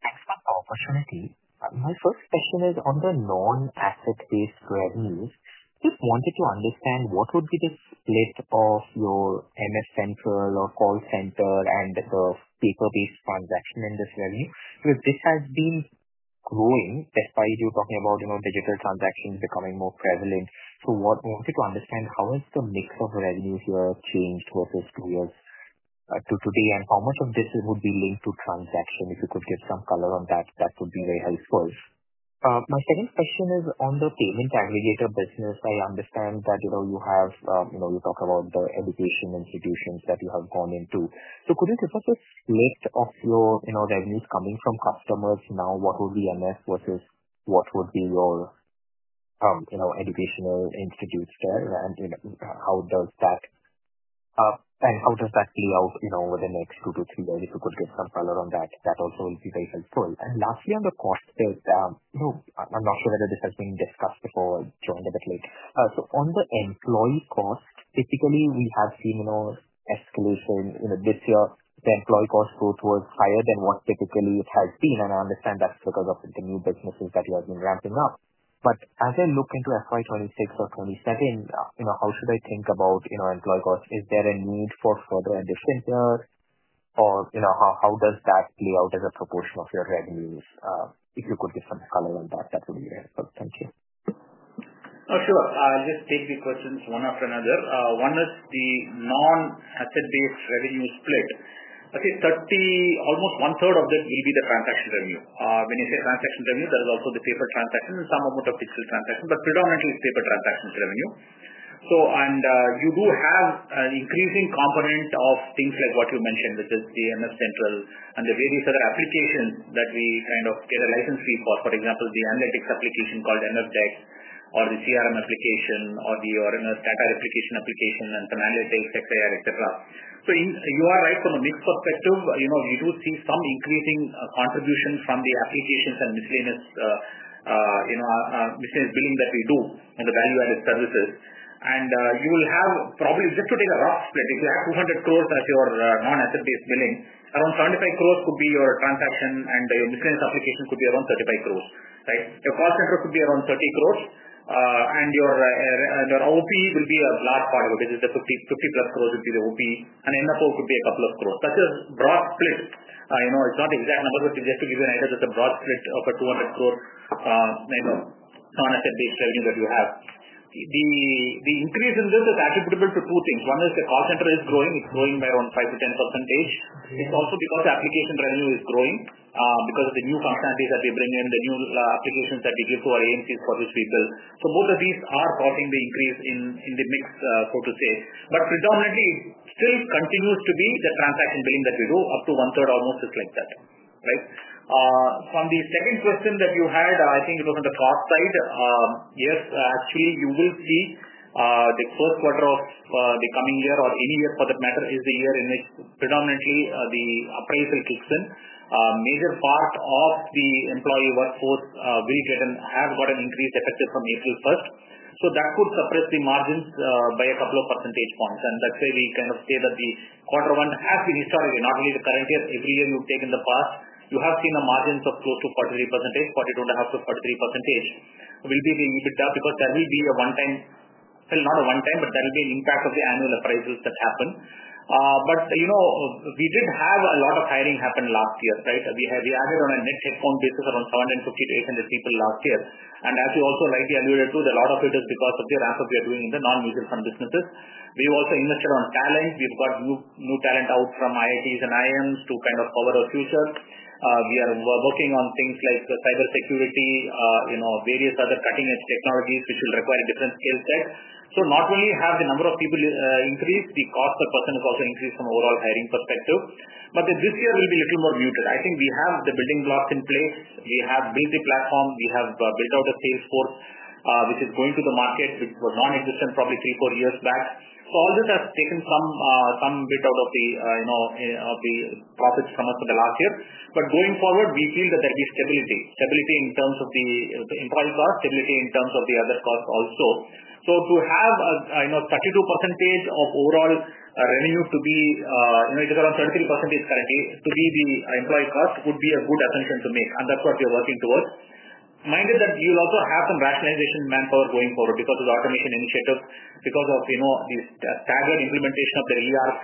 Thanks for the opportunity. My first question is on the non-asset-based revenues. If wanted to understand what would be the split of your MF Central or call center and the paper-based transaction in this revenue. If this has been growing, despite you talking about digital transactions becoming more prevalent, wanted to understand how has the mix of revenues here changed versus two years to today, and how much of this would be linked to transaction? If you could give some color on that, that would be very helpful. My second question is on the payment aggregator business. I understand that you talk about the education institutions that you have gone into. Could you give us a split of your revenues coming from customers now? What would be MF versus what would be your educational institutes there? How does that play out over the next two to three years? If you could give some color on that, that also will be very helpful. Lastly, on the cost split, I am not sure whether this has been discussed before or I joined a bit late. On the employee cost, typically, we have seen an escalation this year. The employee cost growth was higher than what typically it has been, and I understand that is because of the new businesses that you have been ramping up. As I look into fiscal year 2026 or 2027, how should I think about employee costs? Is there a need for further addition there, or how does that play out as a proportion of your revenues? If you could give some color on that, that would be very helpful. Thank you.
Sure. I will just take the questions one after another. One is the non-asset-based revenue split. I think almost one-third of that will be the transaction revenue. When you say transaction revenue, there is also the paper transactions and some amount of digital transactions, but predominantly paper transactions revenue. You do have an increasing component of things like what you mentioned, which is the MF Central and the various other applications that we kind of get a license fee for. For example, the analytics application called MF DEX or the CRM application or the data replication application and some analytics, XAR, etc. You are right from a mix perspective. We do see some increasing contribution from the applications and miscellaneous billing that we do and the value-added services. You will have probably just to take a rough split, if you have 200 crore as your non-asset-based billing, around 75 crore could be your transaction, and your miscellaneous application could be around 35 crore. Right? Your call center could be around 30 crore, and your OP will be a large part of it, which is the INR 50+crore would be the OP, and MFO could be a couple of crore. That's a broad split. It's not exact numbers, but just to give you an idea, there's a broad split of a 200 crore non-asset-based revenue that you have. The increase in this is attributable to two things. One is the call center is growing. It's growing by around 5%-10%. It's also because the application revenue is growing because of the new functionalities that we bring in, the new applications that we give to our AMCs for which we build. Both of these are causing the increase in the mix, so to say. Predominantly, it still continues to be the transaction billing that we do, up to one-third almost, just like that. Right? From the second question that you had, I think it was on the cost side. Yes, actually, you will see the first quarter of the coming year or any year for that matter is the year in which predominantly the appraisal kicks in. Major part of the employee workforce will get and have got an increase effective from April 1. That could suppress the margins by a couple of percentage points. That is why we kind of say that quarter one has been historically, not only the current year, every year you take in the past, you have seen the margins of close to 43%, 42.5%-43% will be the EBITDA because there will be a one-time, well, not a one-time, but there will be an impact of the annual appraisals that happen. We did have a lot of hiring happen last year. Right? We added on a net headcount basis around 750-800 people last year. As you also rightly alluded to, a lot of it is because of the ramp-up we are doing in the non-mutual fund businesses. We have also invested on talent. We have got new talent out from IITs and IIMs to kind of cover our future. We are working on things like cybersecurity, various other cutting-edge technologies, which will require a different skill set. Not only have the number of people increased, the cost per person has also increased from an overall hiring perspective. This year will be a little more muted. I think we have the building blocks in place. We have built the platform. We have built out a sales force which is going to the market, which was non-existent probably three or four years back. All this has taken some bit out of the profits from us for the last year. Going forward, we feel that there will be stability. Stability in terms of the employee cost, stability in terms of the other costs also. To have a 32% of overall revenue, it is around 33% currently, to be the employee cost would be a good assumption to make. That is what we are working towards. Mind that you will also have some rationalization in manpower going forward because of the automation initiative, because of the staggered implementation of the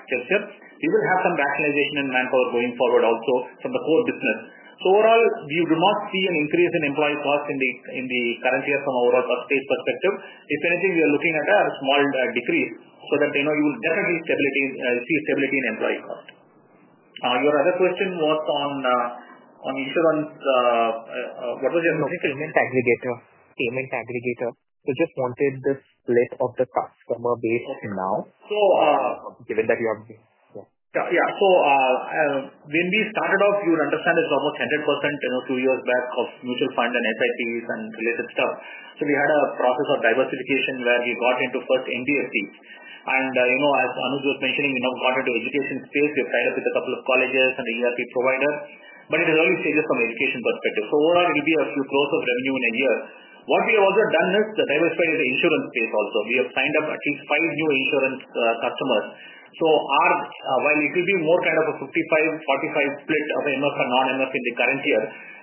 structure. We will have some rationalization in manpower going forward also from the core business. Overall, we do not see an increase in employee cost in the current year from an overall space perspective. If anything, we are looking at a small decrease, so you will definitely see stability in employee cost. Your other question was on insurance.
Payment aggregator. Payment aggregator. We just wanted the split of the customer base now. Given that you have, yeah. Yeah.
When we started off, you would understand it's almost 100% two years back of mutual fund and SIPs and related stuff. We had a process of diversification where we got into first NBFD. As Anuj was mentioning, we now got into education space. We have tied up with a couple of colleges and ERP providers. It is early stages from an education perspective. Overall, it will be a few growth of revenue in a year. What we have also done is diversify the insurance space also. We have signed up at least five new insurance customers. While it will be more kind of a 55-45 split of MF and non-MF in the current year,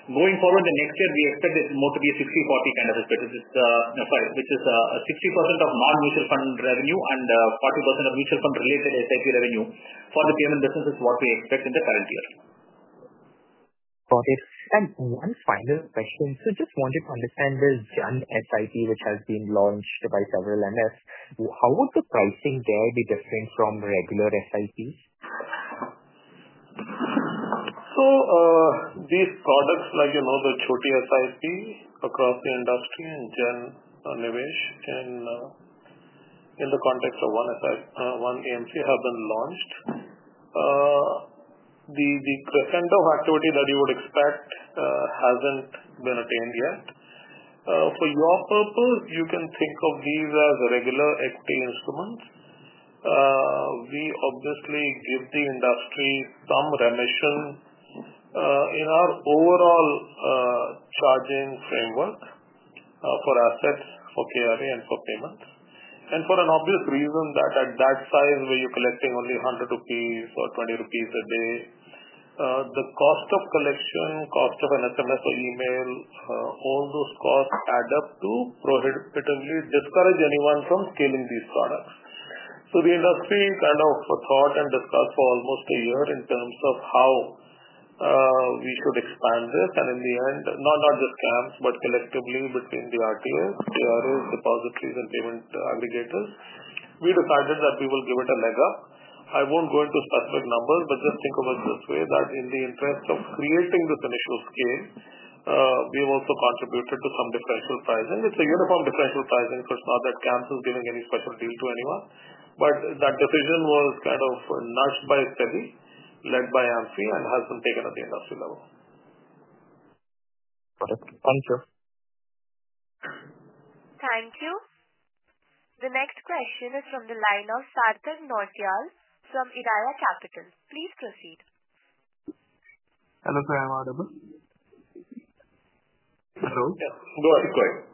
going forward, the next year, we expect it more to be a 60-40 kind of a split, which is 60% of non-mutual fund revenue and 40% of mutual fund-related SIP revenue for the payment business is what we expect in the current year.
Got it. One final question. Just wanted to understand the Jan Nivesh SIP, which has been launched by several MFs. How would the pricing there be different from regular SIPs?
These products, like the Choti SIP across the industry and Jan Nivesh, in the context of one AMC, have been launched. The crescendo of activity that you would expect has not been attained yet. For your purpose, you can think of these as regular equity instruments. We obviously give the industry some remission in our overall charging framework for assets, for KRA, and for payments. For an obvious reason that at that size where you're collecting only 100 crore rupees or 20 crore rupees a day, the cost of collection, cost of an SMS or email, all those costs add up to prohibitively discourage anyone from scaling these products. The industry kind of thought and discussed for almost a year in terms of how we should expand this. In the end, not just CAMS, but collectively between the RTAs, KRAs, depositories, and payment aggregators, we decided that we will give it a leg up. I won't go into specific numbers, but just think of it this way that in the interest of creating this initial scale, we have also contributed to some differential pricing. It's a uniform differential pricing, so it's not that CAMS is giving any special deal to anyone. That decision was kind of nudged by a study led by AMFI and has been taken at the industry level.
Got it. Thank you.
Thank you. The next question is from the line of Sarthak Nautiyal from Eraya Capital. Please proceed.
Hello sir. Am I audible? Hello?
Yes. Go ahead. Go ahead.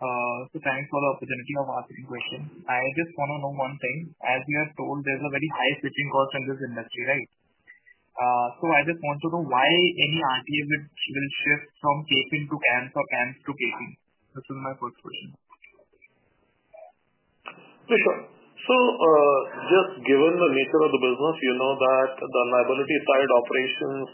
Thanks for the opportunity of asking questions. I just want to know one thing. As we are told, there's a very high switching cost in this industry, right? I just want to know why any RTA will shift from KFin Technologies to CAMS or CAMS to KFin Technologies. This is my first question.
Sure. Just given the nature of the business, you know that the liability side operations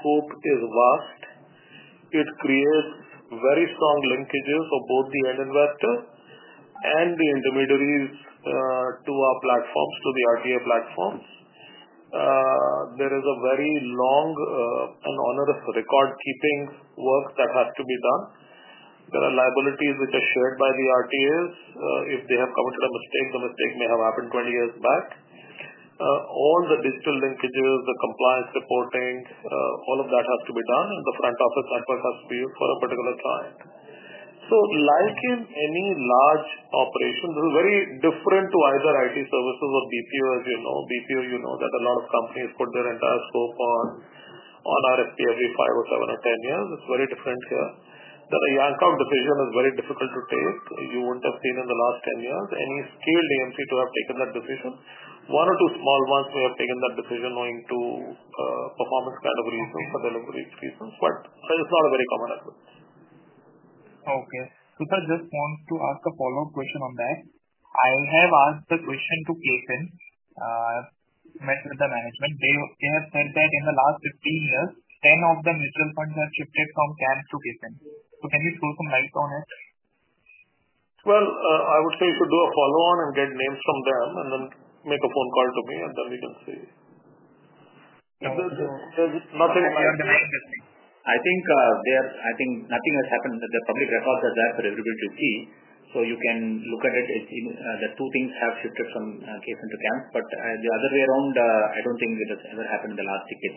scope is vast.It creates very strong linkages for both the end investor and the intermediaries to our platforms, to the RTA platforms. There is a very long and onerous record-keeping work that has to be done. There are liabilities which are shared by the RTAs. If they have committed a mistake, the mistake may have happened 20 years back. All the digital linkages, the compliance reporting, all of that has to be done, and the front office network has to be used for a particular client. Like in any large operation, this is very different to either IT services or BPO. As you know, BPO, you know that a lot of companies put their entire scope on RFP every five or seven or ten years. It is very different here. Then a yankout decision is very difficult to take. You would not have seen in the last ten years any scaled AMC to have taken that decision. One or two small ones may have taken that decision owing to performance kind of reasons or delivery reasons, but it is not a very common effort.
Okay. Sir, just want to ask a follow-up question on that. I have asked the question to KFin, met with the management. They have said that in the last 15 years, 10 years of the mutual funds have shifted from CAMS to KFin. Can you throw some light on it?
I would say you could do a follow-on and get names from them and then make a phone call to me, and then we can see.
There is nothing, I think nothing has happened. The public records are there for everybody to see. You can look at it. The two things have shifted from KFin to CAMS, but the other way around, I do not think it has ever happened in the last decade.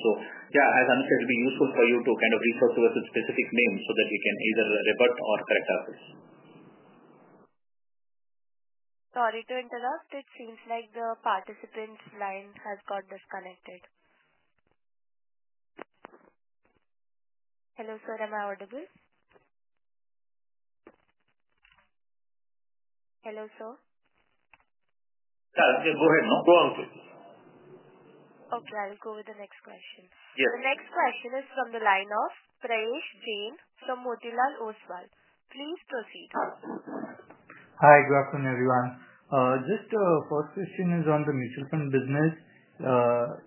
Yeah, as Anuj said, it would be useful for you to kind of reach out to us with specific names so that we can either revert or correct our facts.
Sorry to interrupt. It seems like the participant's line has got disconnected. Hello sir. Am I audible? Hello sir?
Yeah. Go ahead. Go on, please.
Okay. I will go with the next question. The next question is from the line of Prayesh Jain from Motilal Oswal.
Please proceed. Hi. Good afternoon, everyone. Just a first question is on the mutual fund business.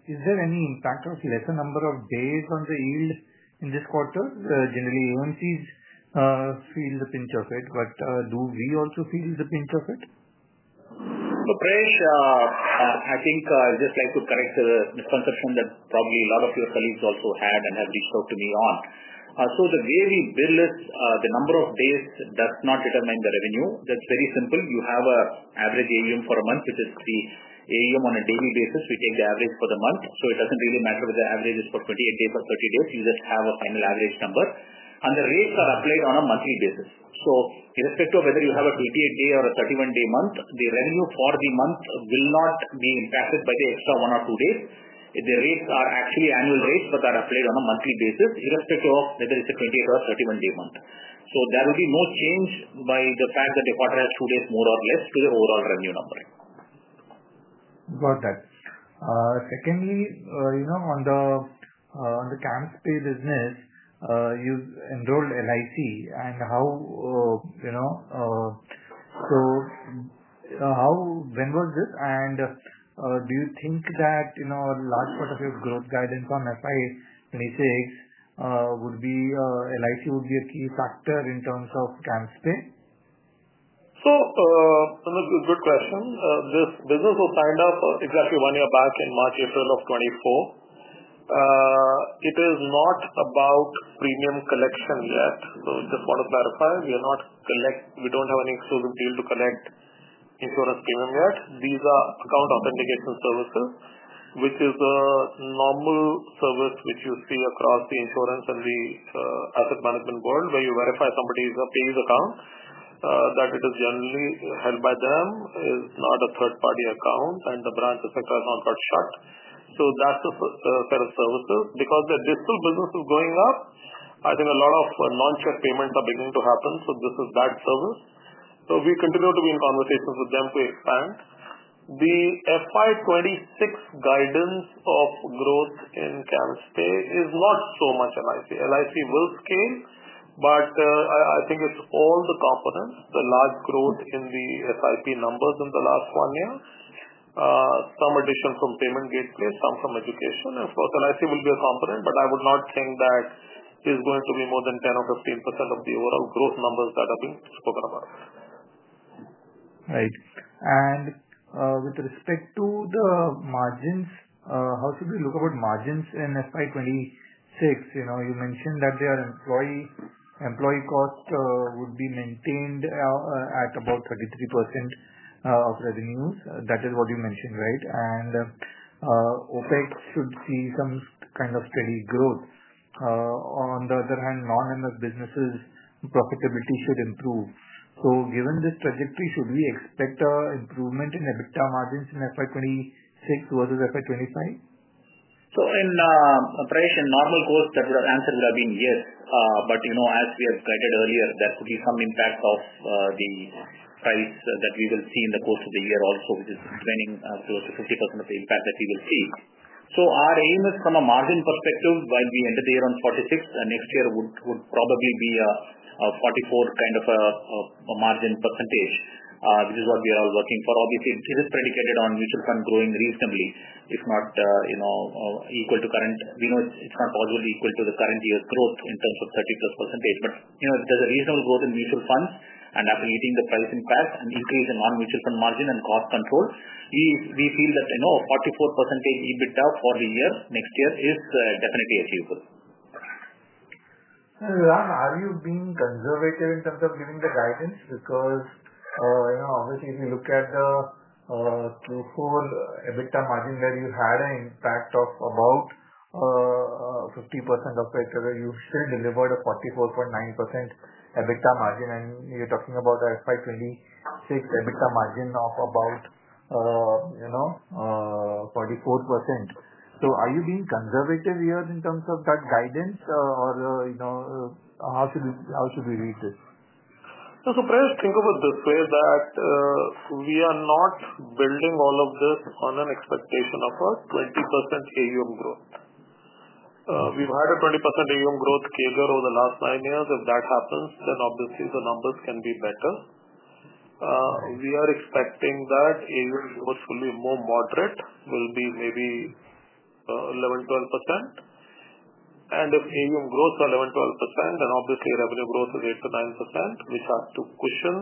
Is there any impact of lesser number of days on the yield in this quarter? Generally, AMCs feel the pinch of it, but do we also feel the pinch of it?
Prayesh, I think I'd just like to correct the misconception that probably a lot of your colleagues also had and have reached out to me on. The way we bill is the number of days does not determine the revenue. That's very simple. You have an average AUM for a month, which is the AUM on a daily basis. We take the average for the month. It doesn't really matter whether the average is for 28 days or 30 days. You just have a final average number. The rates are applied on a monthly basis. Irrespective of whether you have a 28-day or a 31-day month, the revenue for the month will not be impacted by the extra one or two days. The rates are actually annual rates, but they're applied on a monthly basis, irrespective of whether it's a 28 or a 31-day month. There will be no change by the fact that the quarter has two days more or less to the overall revenue numbering.
Got it. Secondly, on the CAMS Pay business, you enrolled LIC. When was this? Do you think that a large part of your growth guidance on FY 2026 would be LIC would be a key factor in terms of CAMS Pay?
That's a good question. This business was signed up exactly one year back in March-April of 2024. It is not about premium collection yet. I just want to clarify. We do not have any exclusive deal to collect insurance premium yet. These are account authentication services, which is a normal service which you see across the insurance and the asset management world where you verify somebody's pay's account, that it is generally held by them, is not a third-party account, and the branch etc. has not got shut. That is a set of services. Because the digital business is going up, I think a lot of non-check payments are beginning to happen. This is that service. We continue to be in conversations with them to expand. The FY 2026 guidance of growth in CAMSPay is not so much LIC. LIC will scale, but I think it is all the components, the large growth in the SIP numbers in the last one year, some addition from payment gateway, some from education. LIC will be a component, but I would not think that it's going to be more than 10% or 15% of the overall growth numbers that are being spoken about.
Right. With respect to the margins, how should we look about margins in FY 2026? You mentioned that their employee cost would be maintained at about 33% of revenues. That is what you mentioned, right? OpEx should see some kind of steady growth. On the other hand, non-MF businesses' profitability should improve. Given this trajectory, should we expect an improvement in EBITDA margins in FY 2026 versus FY 2025?
Prayesh, in normal course, that answer would have been yes. As we have guided earlier, there could be some impact of the price that we will see in the course of the year also, which is explaining close to 50% of the impact that we will see. Our aim is from a margin perspective, while we enter the year on 46%, next year would probably be a 44% kind of a margin percentage, which is what we are all working for. Obviously, this is predicated on mutual fund growing reasonably, if not equal to current. We know it's not possibly equal to the current year's growth in terms of 30+%. If there is a reasonable growth in mutual funds and after hitting the price impact and increase in non-mutual fund margin and cost control, we feel that a 44% EBITDA for the year next year is definitely achievable.
Are you being conservative in terms of giving the guidance? Because obviously, if you look at the Q4 EBITDA margin where you had an impact of about 50% of it, you still delivered a 44.9% EBITDA margin, and you are talking about an FY 2026 EBITDA margin of about 44%. Are you being conservative here in terms of that guidance, or how should we read this?
Prayesh, think of it this way that we are not building all of this on an expectation of a 20% AUM growth. We have had a 20% AUM growth CAGR over the last nine years. If that happens, then obviously the numbers can be better. We are expecting that AUM growth will be more moderate, will be maybe 11-12%. If AUM growth is 11%-12%, then obviously revenue growth is 8%-9%, which has to cushion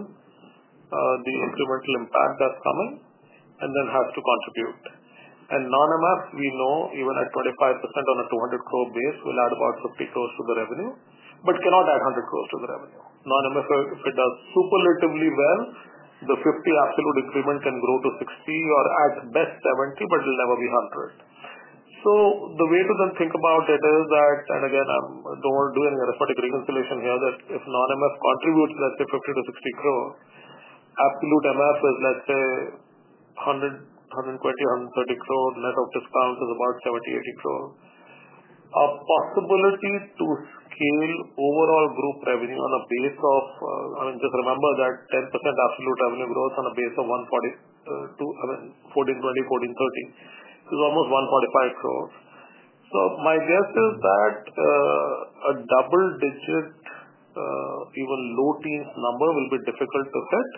the incremental impact that is coming and then has to contribute. Non-MF, we know even at 25% on a 200 crore base, will add about 50 crore to the revenue, but cannot add 100 crore to the revenue. Non-MF, if it does superlatively well, the 50 crore absolute increment can grow to 60 crore or at best 70 crore, but it will never be 100 crore. The way to then think about it is that, and again, I do not want to do any arithmetic reconciliation here, that if non-MF contributes, let's say, 50 crore-60 crore absolute, MF is, let's say, 100 crore, 120 crore, 130 crore. Net of discount is about 70-80 crore. A possibility to scale overall group revenue on a base of, I mean, just remember that 10% absolute revenue growth on a base of 1,420 crore-1,430 crore is almost 145 crore. So my guess is that a double-digit, even low teens number will be difficult to hit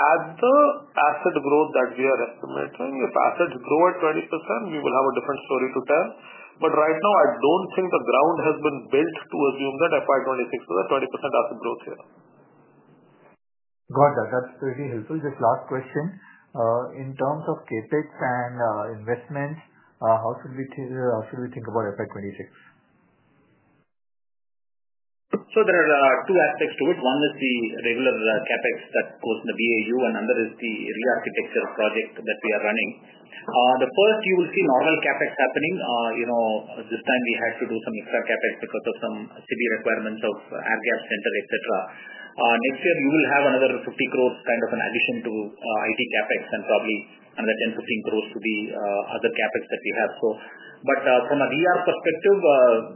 at the asset growth that we are estimating. If assets grow at 20%, we will have a different story to tell. Right now, I do not think the ground has been built to assume that FY 2026 is a 20% asset growth year.
Got that. That is very helpful. Just last question. In terms of CapEx and investments, how should we think about FY 2026?
There are two aspects to it. One is the regular CapEx that goes in the BAU, and another is the re-architecture project that we are running. The first, you will see normal CapEx happening. This time, we had to do some extra CapEx because of some city requirements of air gap center, etc. Next year, you will have another 50 crore kind of an addition to IT CapEx and probably another 10 crore, 15 crore to the other CapEx that we have. From a re-arch perspective,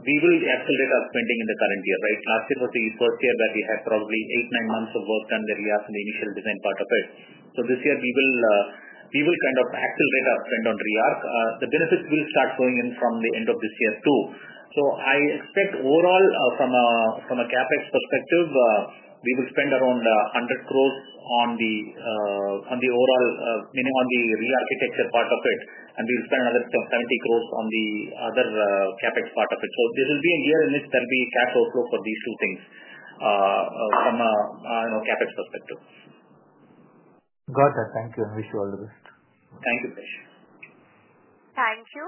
we will accelerate our spending in the current year, right? Last year was the first year where we had probably eight, nine months of work done earlier from the initial design part of it. This year, we will kind of accelerate our spend on re-arch. The benefits will start going in from the end of this year too. I expect overall, from a CapEx perspective, we will spend around 100 crore on the overall, meaning on the re-architecture part of it, and we will spend another 70 crore on the other CapEx part of it. There will be a year in which there will be cash outflow for these two things from a CapEx perspective.
Got that. Thank you. I wish you all the best.
Thank you, Prayesh. Thank you.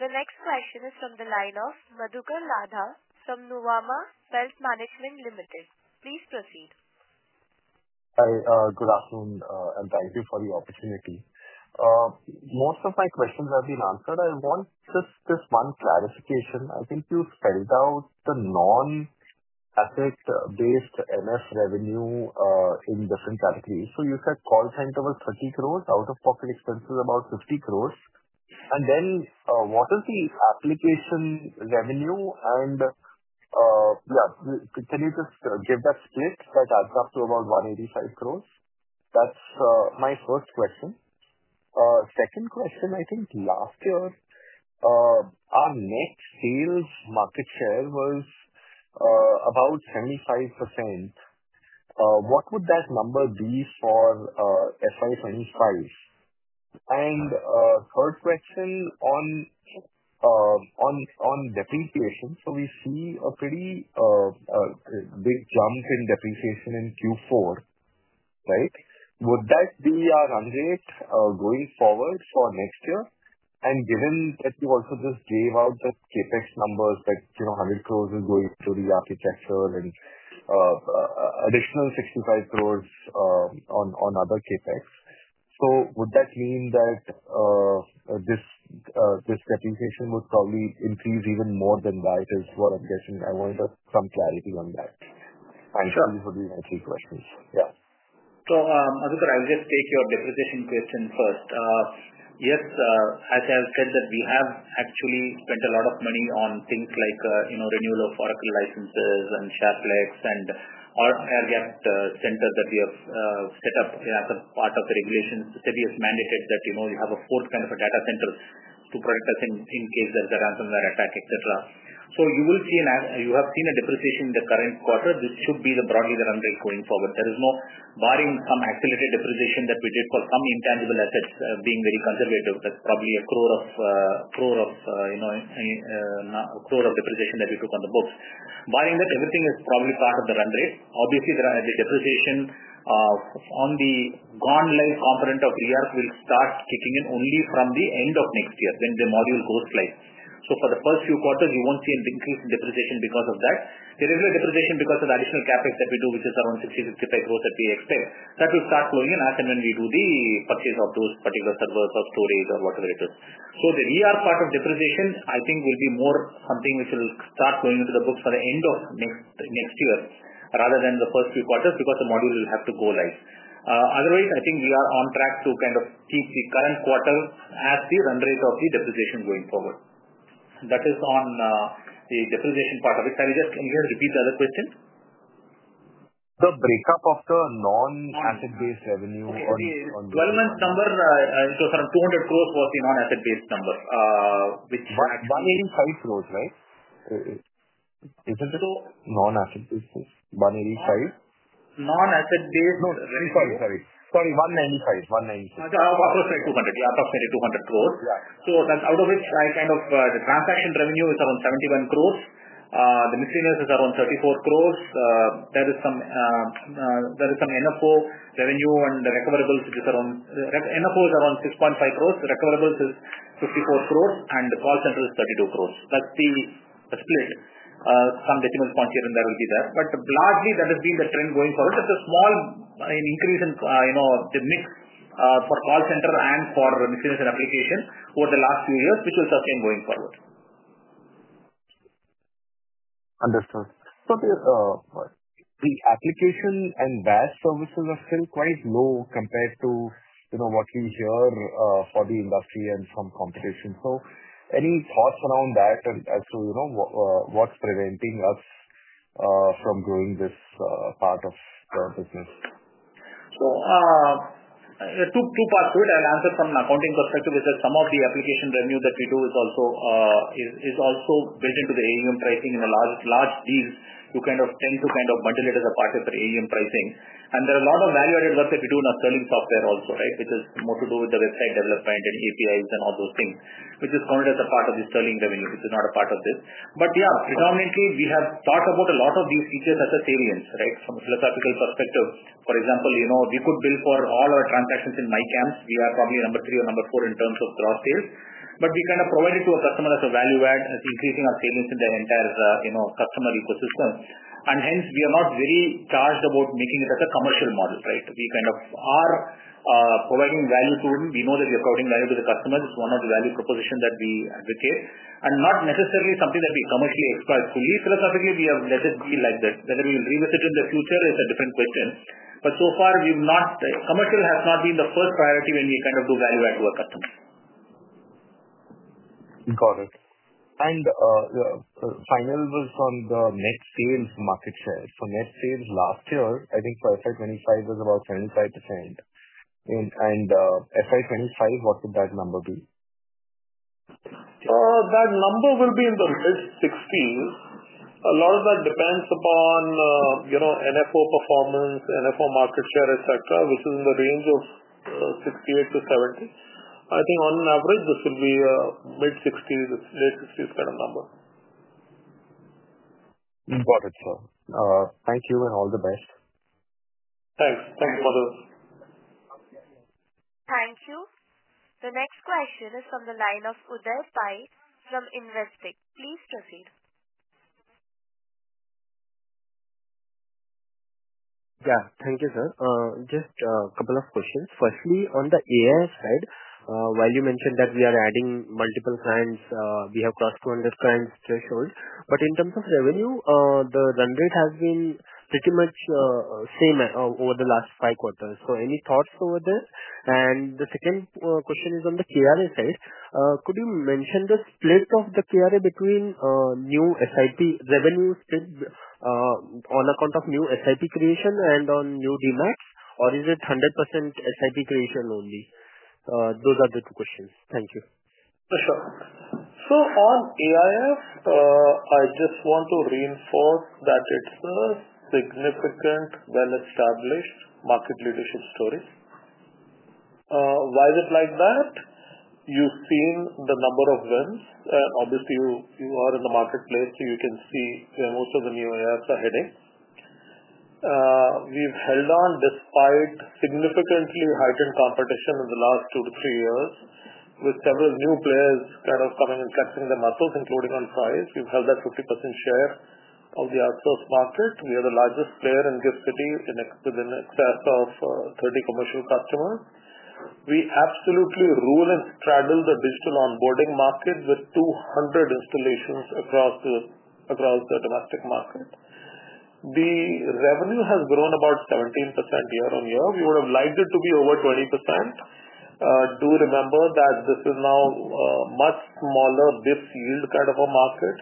The next question is from the line of Madhukar Ladha from Nuvama Wealth Management Limited. Please proceed.
Hi. Good afternoon, and thank you for the opportunity. Most of my questions have been answered. I want just this one clarification. I think you spelled out the non-asset-based MF revenue in different categories. You said call center was 30 crore, out-of-pocket expenses about 50 crore. What is the application revenue? Yeah, can you just give that split that adds up to about 185 crore? That's my first question. Second question, I think last year, our net sales market share was about 75%. What would that number be for FY 2025? Third question on depreciation. We see a pretty big jump in depreciation in Q4, right? Would that be our run rate going forward for next year? Given that you also just gave out the CapEx numbers, that 100 crore is going to re-architecture and additional 65 crore on other CapEx, would that mean that this depreciation would probably increase even more than that is what I'm guessing? I wanted some clarity on that. Thank you. These would be my three questions.
Yeah, Madhukar, I'll just take your depreciation question first. Yes, as I've said, that we have actually spent a lot of money on things like renewal of Oracle licenses and SharePlex and our air gap center that we have set up as a part of the regulations. The city has mandated that you have a fourth kind of a data center to protect us in case there's a ransomware attack, etc. You will see and you have seen a depreciation in the current quarter. This should be broadly the run rate going forward. There is no, barring some accelerated depreciation that we did for some intangible assets being very conservative, that's probably 1000 crore of depreciation that we took on the books. Barring that, everything is probably part of the run rate. Obviously, the depreciation on the gone live component of re-arch will start kicking in only from the end of next year when the module goes live. For the first few quarters, you will not see an increase in depreciation because of that. The regular depreciation because of the additional CapEx that we do, which is around 60 crore-65 crore that we expect, that will start flowing in as and when we do the purchase of those particular servers or storage or whatever it is. The re-arch part of depreciation, I think, will be more something which will start going into the books for the end of next year rather than the first few quarters because the module will have to go live. Otherwise, I think we are on track to kind of keep the current quarter as the run rate of the depreciation going forward. That is on the depreciation part of it. Can you just repeat the other question? The breakup of the non-asset-based revenue on the 12-month number, it was around 200 crore was the non-asset-based number, which actually 185 crore, right? Isn't it non-asset-based? 185 crore? Non-asset-based. No, sorry, sorry. Sorry, 195 crore, 195 crore. Approximately 200 crore, out of 200 crore. So out of which, I kind of the transaction revenue is around 71 crore. The miscellaneous is around 34 crore. There is some NFO revenue and the recoverables, which is around NFO is around 6.5 crore. The recoverables is 54 crore, and the call center is 32 crore. That's the split. Some decimal points here and there will be there. But largely, that has been the trend going forward. There's a small increase in the mix for call center and for miscellaneous application over the last few years, which will sustain going forward.
Understood. The application and badge services are still quite low compared to what we hear for the industry and some competition. Any thoughts around that as to what's preventing us from growing this part of the business?
Two parts to it. I'll answer from an accounting perspective, which is some of the application revenue that we do is also built into the AUM pricing in a large deal. You kind of tend to bundle it as a part of the AUM pricing. There are a lot of value-added work that we do in our Sterling software also, right, which has more to do with the website development and APIs and all those things, which is counted as a part of the Sterling revenue, which is not a part of this. Yeah, predominantly, we have thought about a lot of these features as a salience, right, from a philosophical perspective. For example, we could bill for all our transactions in MyCAMS. We are probably number three or number four in terms of gross sales, but we kind of provide it to a customer as a value-add, increasing our salience in the entire customer ecosystem. Hence, we are not very charged about making it as a commercial model, right? We kind of are providing value to them. We know that we are providing value to the customers. It is one of the value propositions that we advocate and not necessarily something that we commercially exploit. Fully, philosophically, we have let it be like that. Whether we will revisit it in the future is a different question. So far, commercial has not been the first priority when we kind of do value-add to our customers.
Got it. Final was on the net sales market share. Net sales last year, I think for financial year 2025, was about 75%. For financial year 2025, what would that number be?
That number will be in the mid 60s. A lot of that depends upon NFO performance, NFO market share, etc., which is in the range of 68%-70%. I think on average, this will be mid 60%s, late 60%s kind of number.
Got it, sir. Thank you and all the best.
Thanks. Thank you, brother.
Thank you. The next question is from the line of Uday Pai from Investec. Please proceed.
Yeah. Thank you, sir. Just a couple of questions. Firstly, on the AIF side, while you mentioned that we are adding multiple clients, we have crossed the 200 clients threshold. In terms of revenue, the run rate has been pretty much the same over the last five quarters. Any thoughts over this? The second question is on the KRA side. Could you mention the split of the KRA between new SIP revenue split on account of new SIP creation and on new DemATs, or is it 100% SIP creation only? Those are the two questions. Thank you.
For sure. On AIF, I just want to reinforce that it is a significant, well-established market leadership story. Why is it like that? You have seen the number of wins. Obviously, you are in the marketplace, so you can see where most of the new AIFs are heading. We've held on despite significantly heightened competition in the last two to three years, with several new players kind of coming and flexing their muscles, including on price. We've held that 50% share of the outsourced market. We are the largest player in GIFT City with in excess of 30 commercial customers. We absolutely rule and straddle the digital onboarding market with 200 installations across the domestic market. The revenue has grown about 17% year on year. We would have liked it to be over 20%. Do remember that this is now a much smaller basis points yield kind of a market.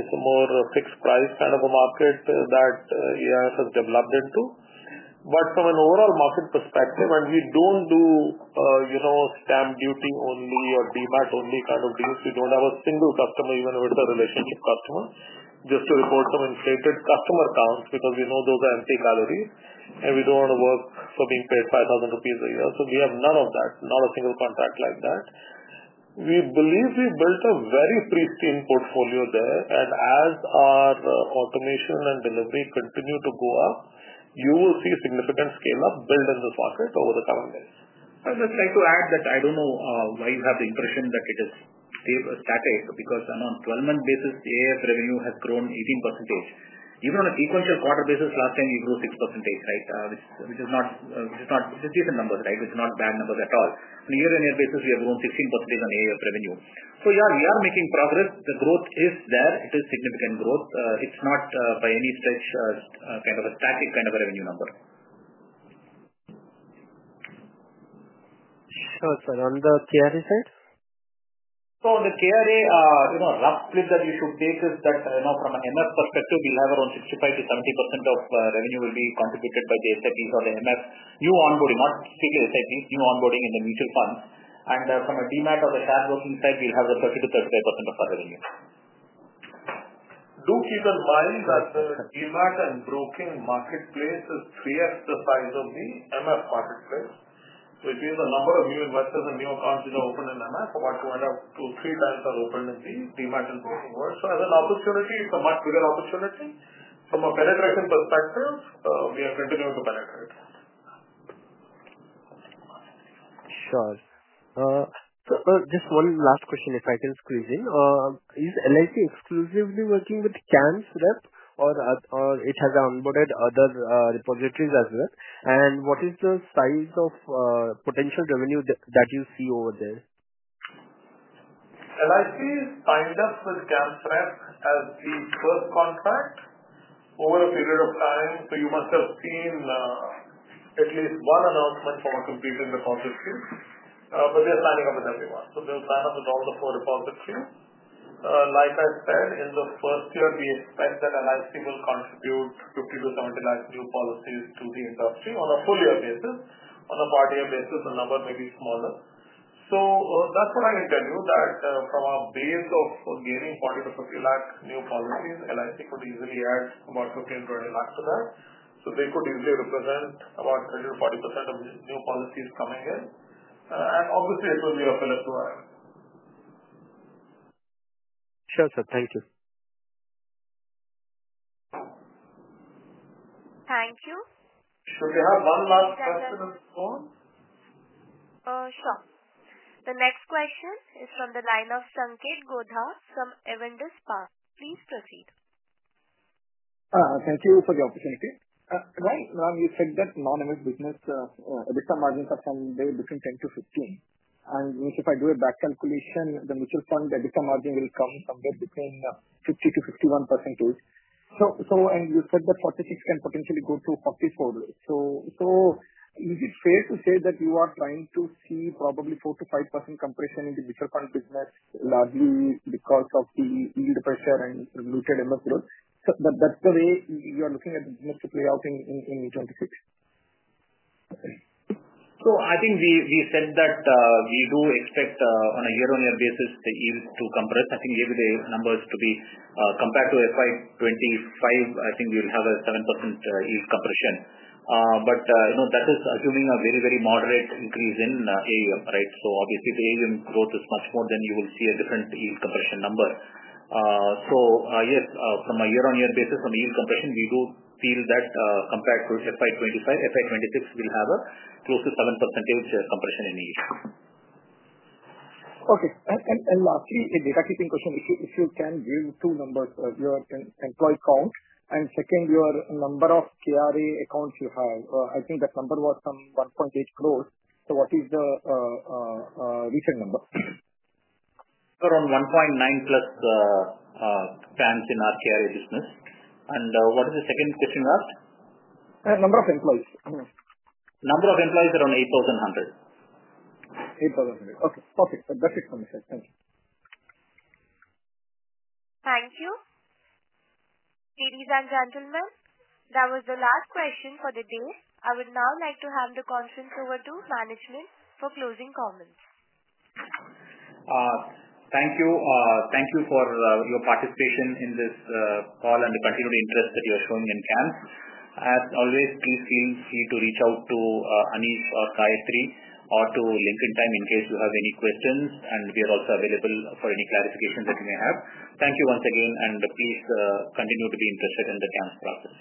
It's a more fixed price kind of a market that AIF has developed into. From an overall market perspective, and we don't do stamp duty only or DemAT only kind of deals. We don't have a single customer, even with a relationship customer, just to report some inflated customer counts because we know those are empty galleries, and we don't want to work for being paid 500 crore rupees a year. We have none of that, not a single contract like that. We believe we built a very pristine portfolio there. As our automation and delivery continue to go up, you will see significant scale-up build in this market over the coming days.
I would just like to add that I don't know why you have the impression that it is static because on a 12-month basis, AIF revenue has grown 18%. Even on a sequential quarter basis, last time we grew 6%, right, which is not decent numbers, right? It's not bad numbers at all. On a year-on-year basis, we have grown 16% on AIF revenue. Yeah, we are making progress. The growth is there. It is significant growth. It's not by any stretch kind of a static kind of a revenue number.
Sure. Sorry. On the KRA side?
On the KRA, a rough split that you should take is that from an MF perspective, we'll have around 65%-70% of revenue contributed by the SIPs or the MF new onboarding, not strictly SIPs, new onboarding in the mutual funds. From a DemAT or the share broking side, we'll have 30%-35% of our revenue.
Do keep in mind that the DemAT and broking marketplace is three times the size of the MF marketplace, which means the number of new investors and new accounts opened in MF, about two and a half to three times are opened in the DemAT and broking world. As an opportunity, it's a much bigger opportunity. From a penetration perspective, we are continuing to penetrate.
Sure. Just one last question, if I can squeeze in. Is LIC exclusively working with CAMS Repository, or has it onboarded other repositories as well? What is the size of potential revenue that you see over there?
LIC signed up with CAMS Repository as the first contract over a period of time. You must have seen at least one announcement from a completed repository, but they are signing up with everyone. They will sign up with all four repositories. Like I said, in the first year, we expect that LIC will contribute 5 million-7 million new policies to the industry on a full-year basis. On a part-year basis, the number may be smaller. That is what I can tell you, that from our base of gaining 40,000-50,000 new policies, LIC could easily add about 15,000-20,000 of that. They could easily represent about 30%-40% of new policies coming in. Obviously, it will be a filler to our revenue.
Sure, sir. Thank you.
Thank you.
Should we have one last question on the phone?
Sure. The next question is from the line of Sanketh Godha from Avendus Spark. Please proceed.
Thank you for the opportunity. While Ram, you said that non-MF business EBITDA margins are somewhere between 10%-15%. If I do a back calculation, the mutual fund EBITDA margin will come somewhere between 50%-51%. You said that 46 can potentially go to 44. Is it fair to say that you are trying to see probably 4%-5% compression in the mutual fund business largely because of the yield pressure and muted MF growth? That is the way you are looking at the business to play out in 2026?
I think we said that we do expect on a year-on-year basis, the yield to compress. I think maybe the number is to be compared to FY 2025. I think we will have a 7% yield compression, but that is assuming a very, very moderate increase in AUM, right? Obviously, if the AUM growth is much more, then you will see a different yield compression number. Yes, from a year-on-year basis, from a yield compression, we do feel that compared to FY 2025, FY 2026 will have close to 7% compression in the year.
Okay. Lastly, a data keeping question. If you can give two numbers, your employee count and second, your number of KRA accounts you have. I think that number was around 18 million. What is the recent number?
Around 19 million_ CAMS in our KRA business. What is the second question you asked?
Number of employees.
Number of employees is around 8,100.
8,100. Okay. Perfect. That is it from my side. Thank you.
Thank you. Ladies and gentlemen, that was the last question for the day. I would now like to hand the conference over to management for closing comments.
Thank you. Thank you for your participation in this call and the continued interest that you are showing in CAMS. As always, please feel free to reach out to Anish or Gayathri or to Lincoln Time in case you have any questions. We are also available for any clarifications that you may have. Thank you once again, and please continue to be interested in the CAMS process.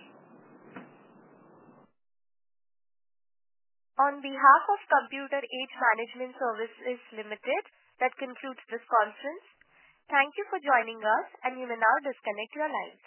On behalf of Computer Age Management Services Limited, that concludes this conference. Thank you for joining us, and you may now disconnect your line.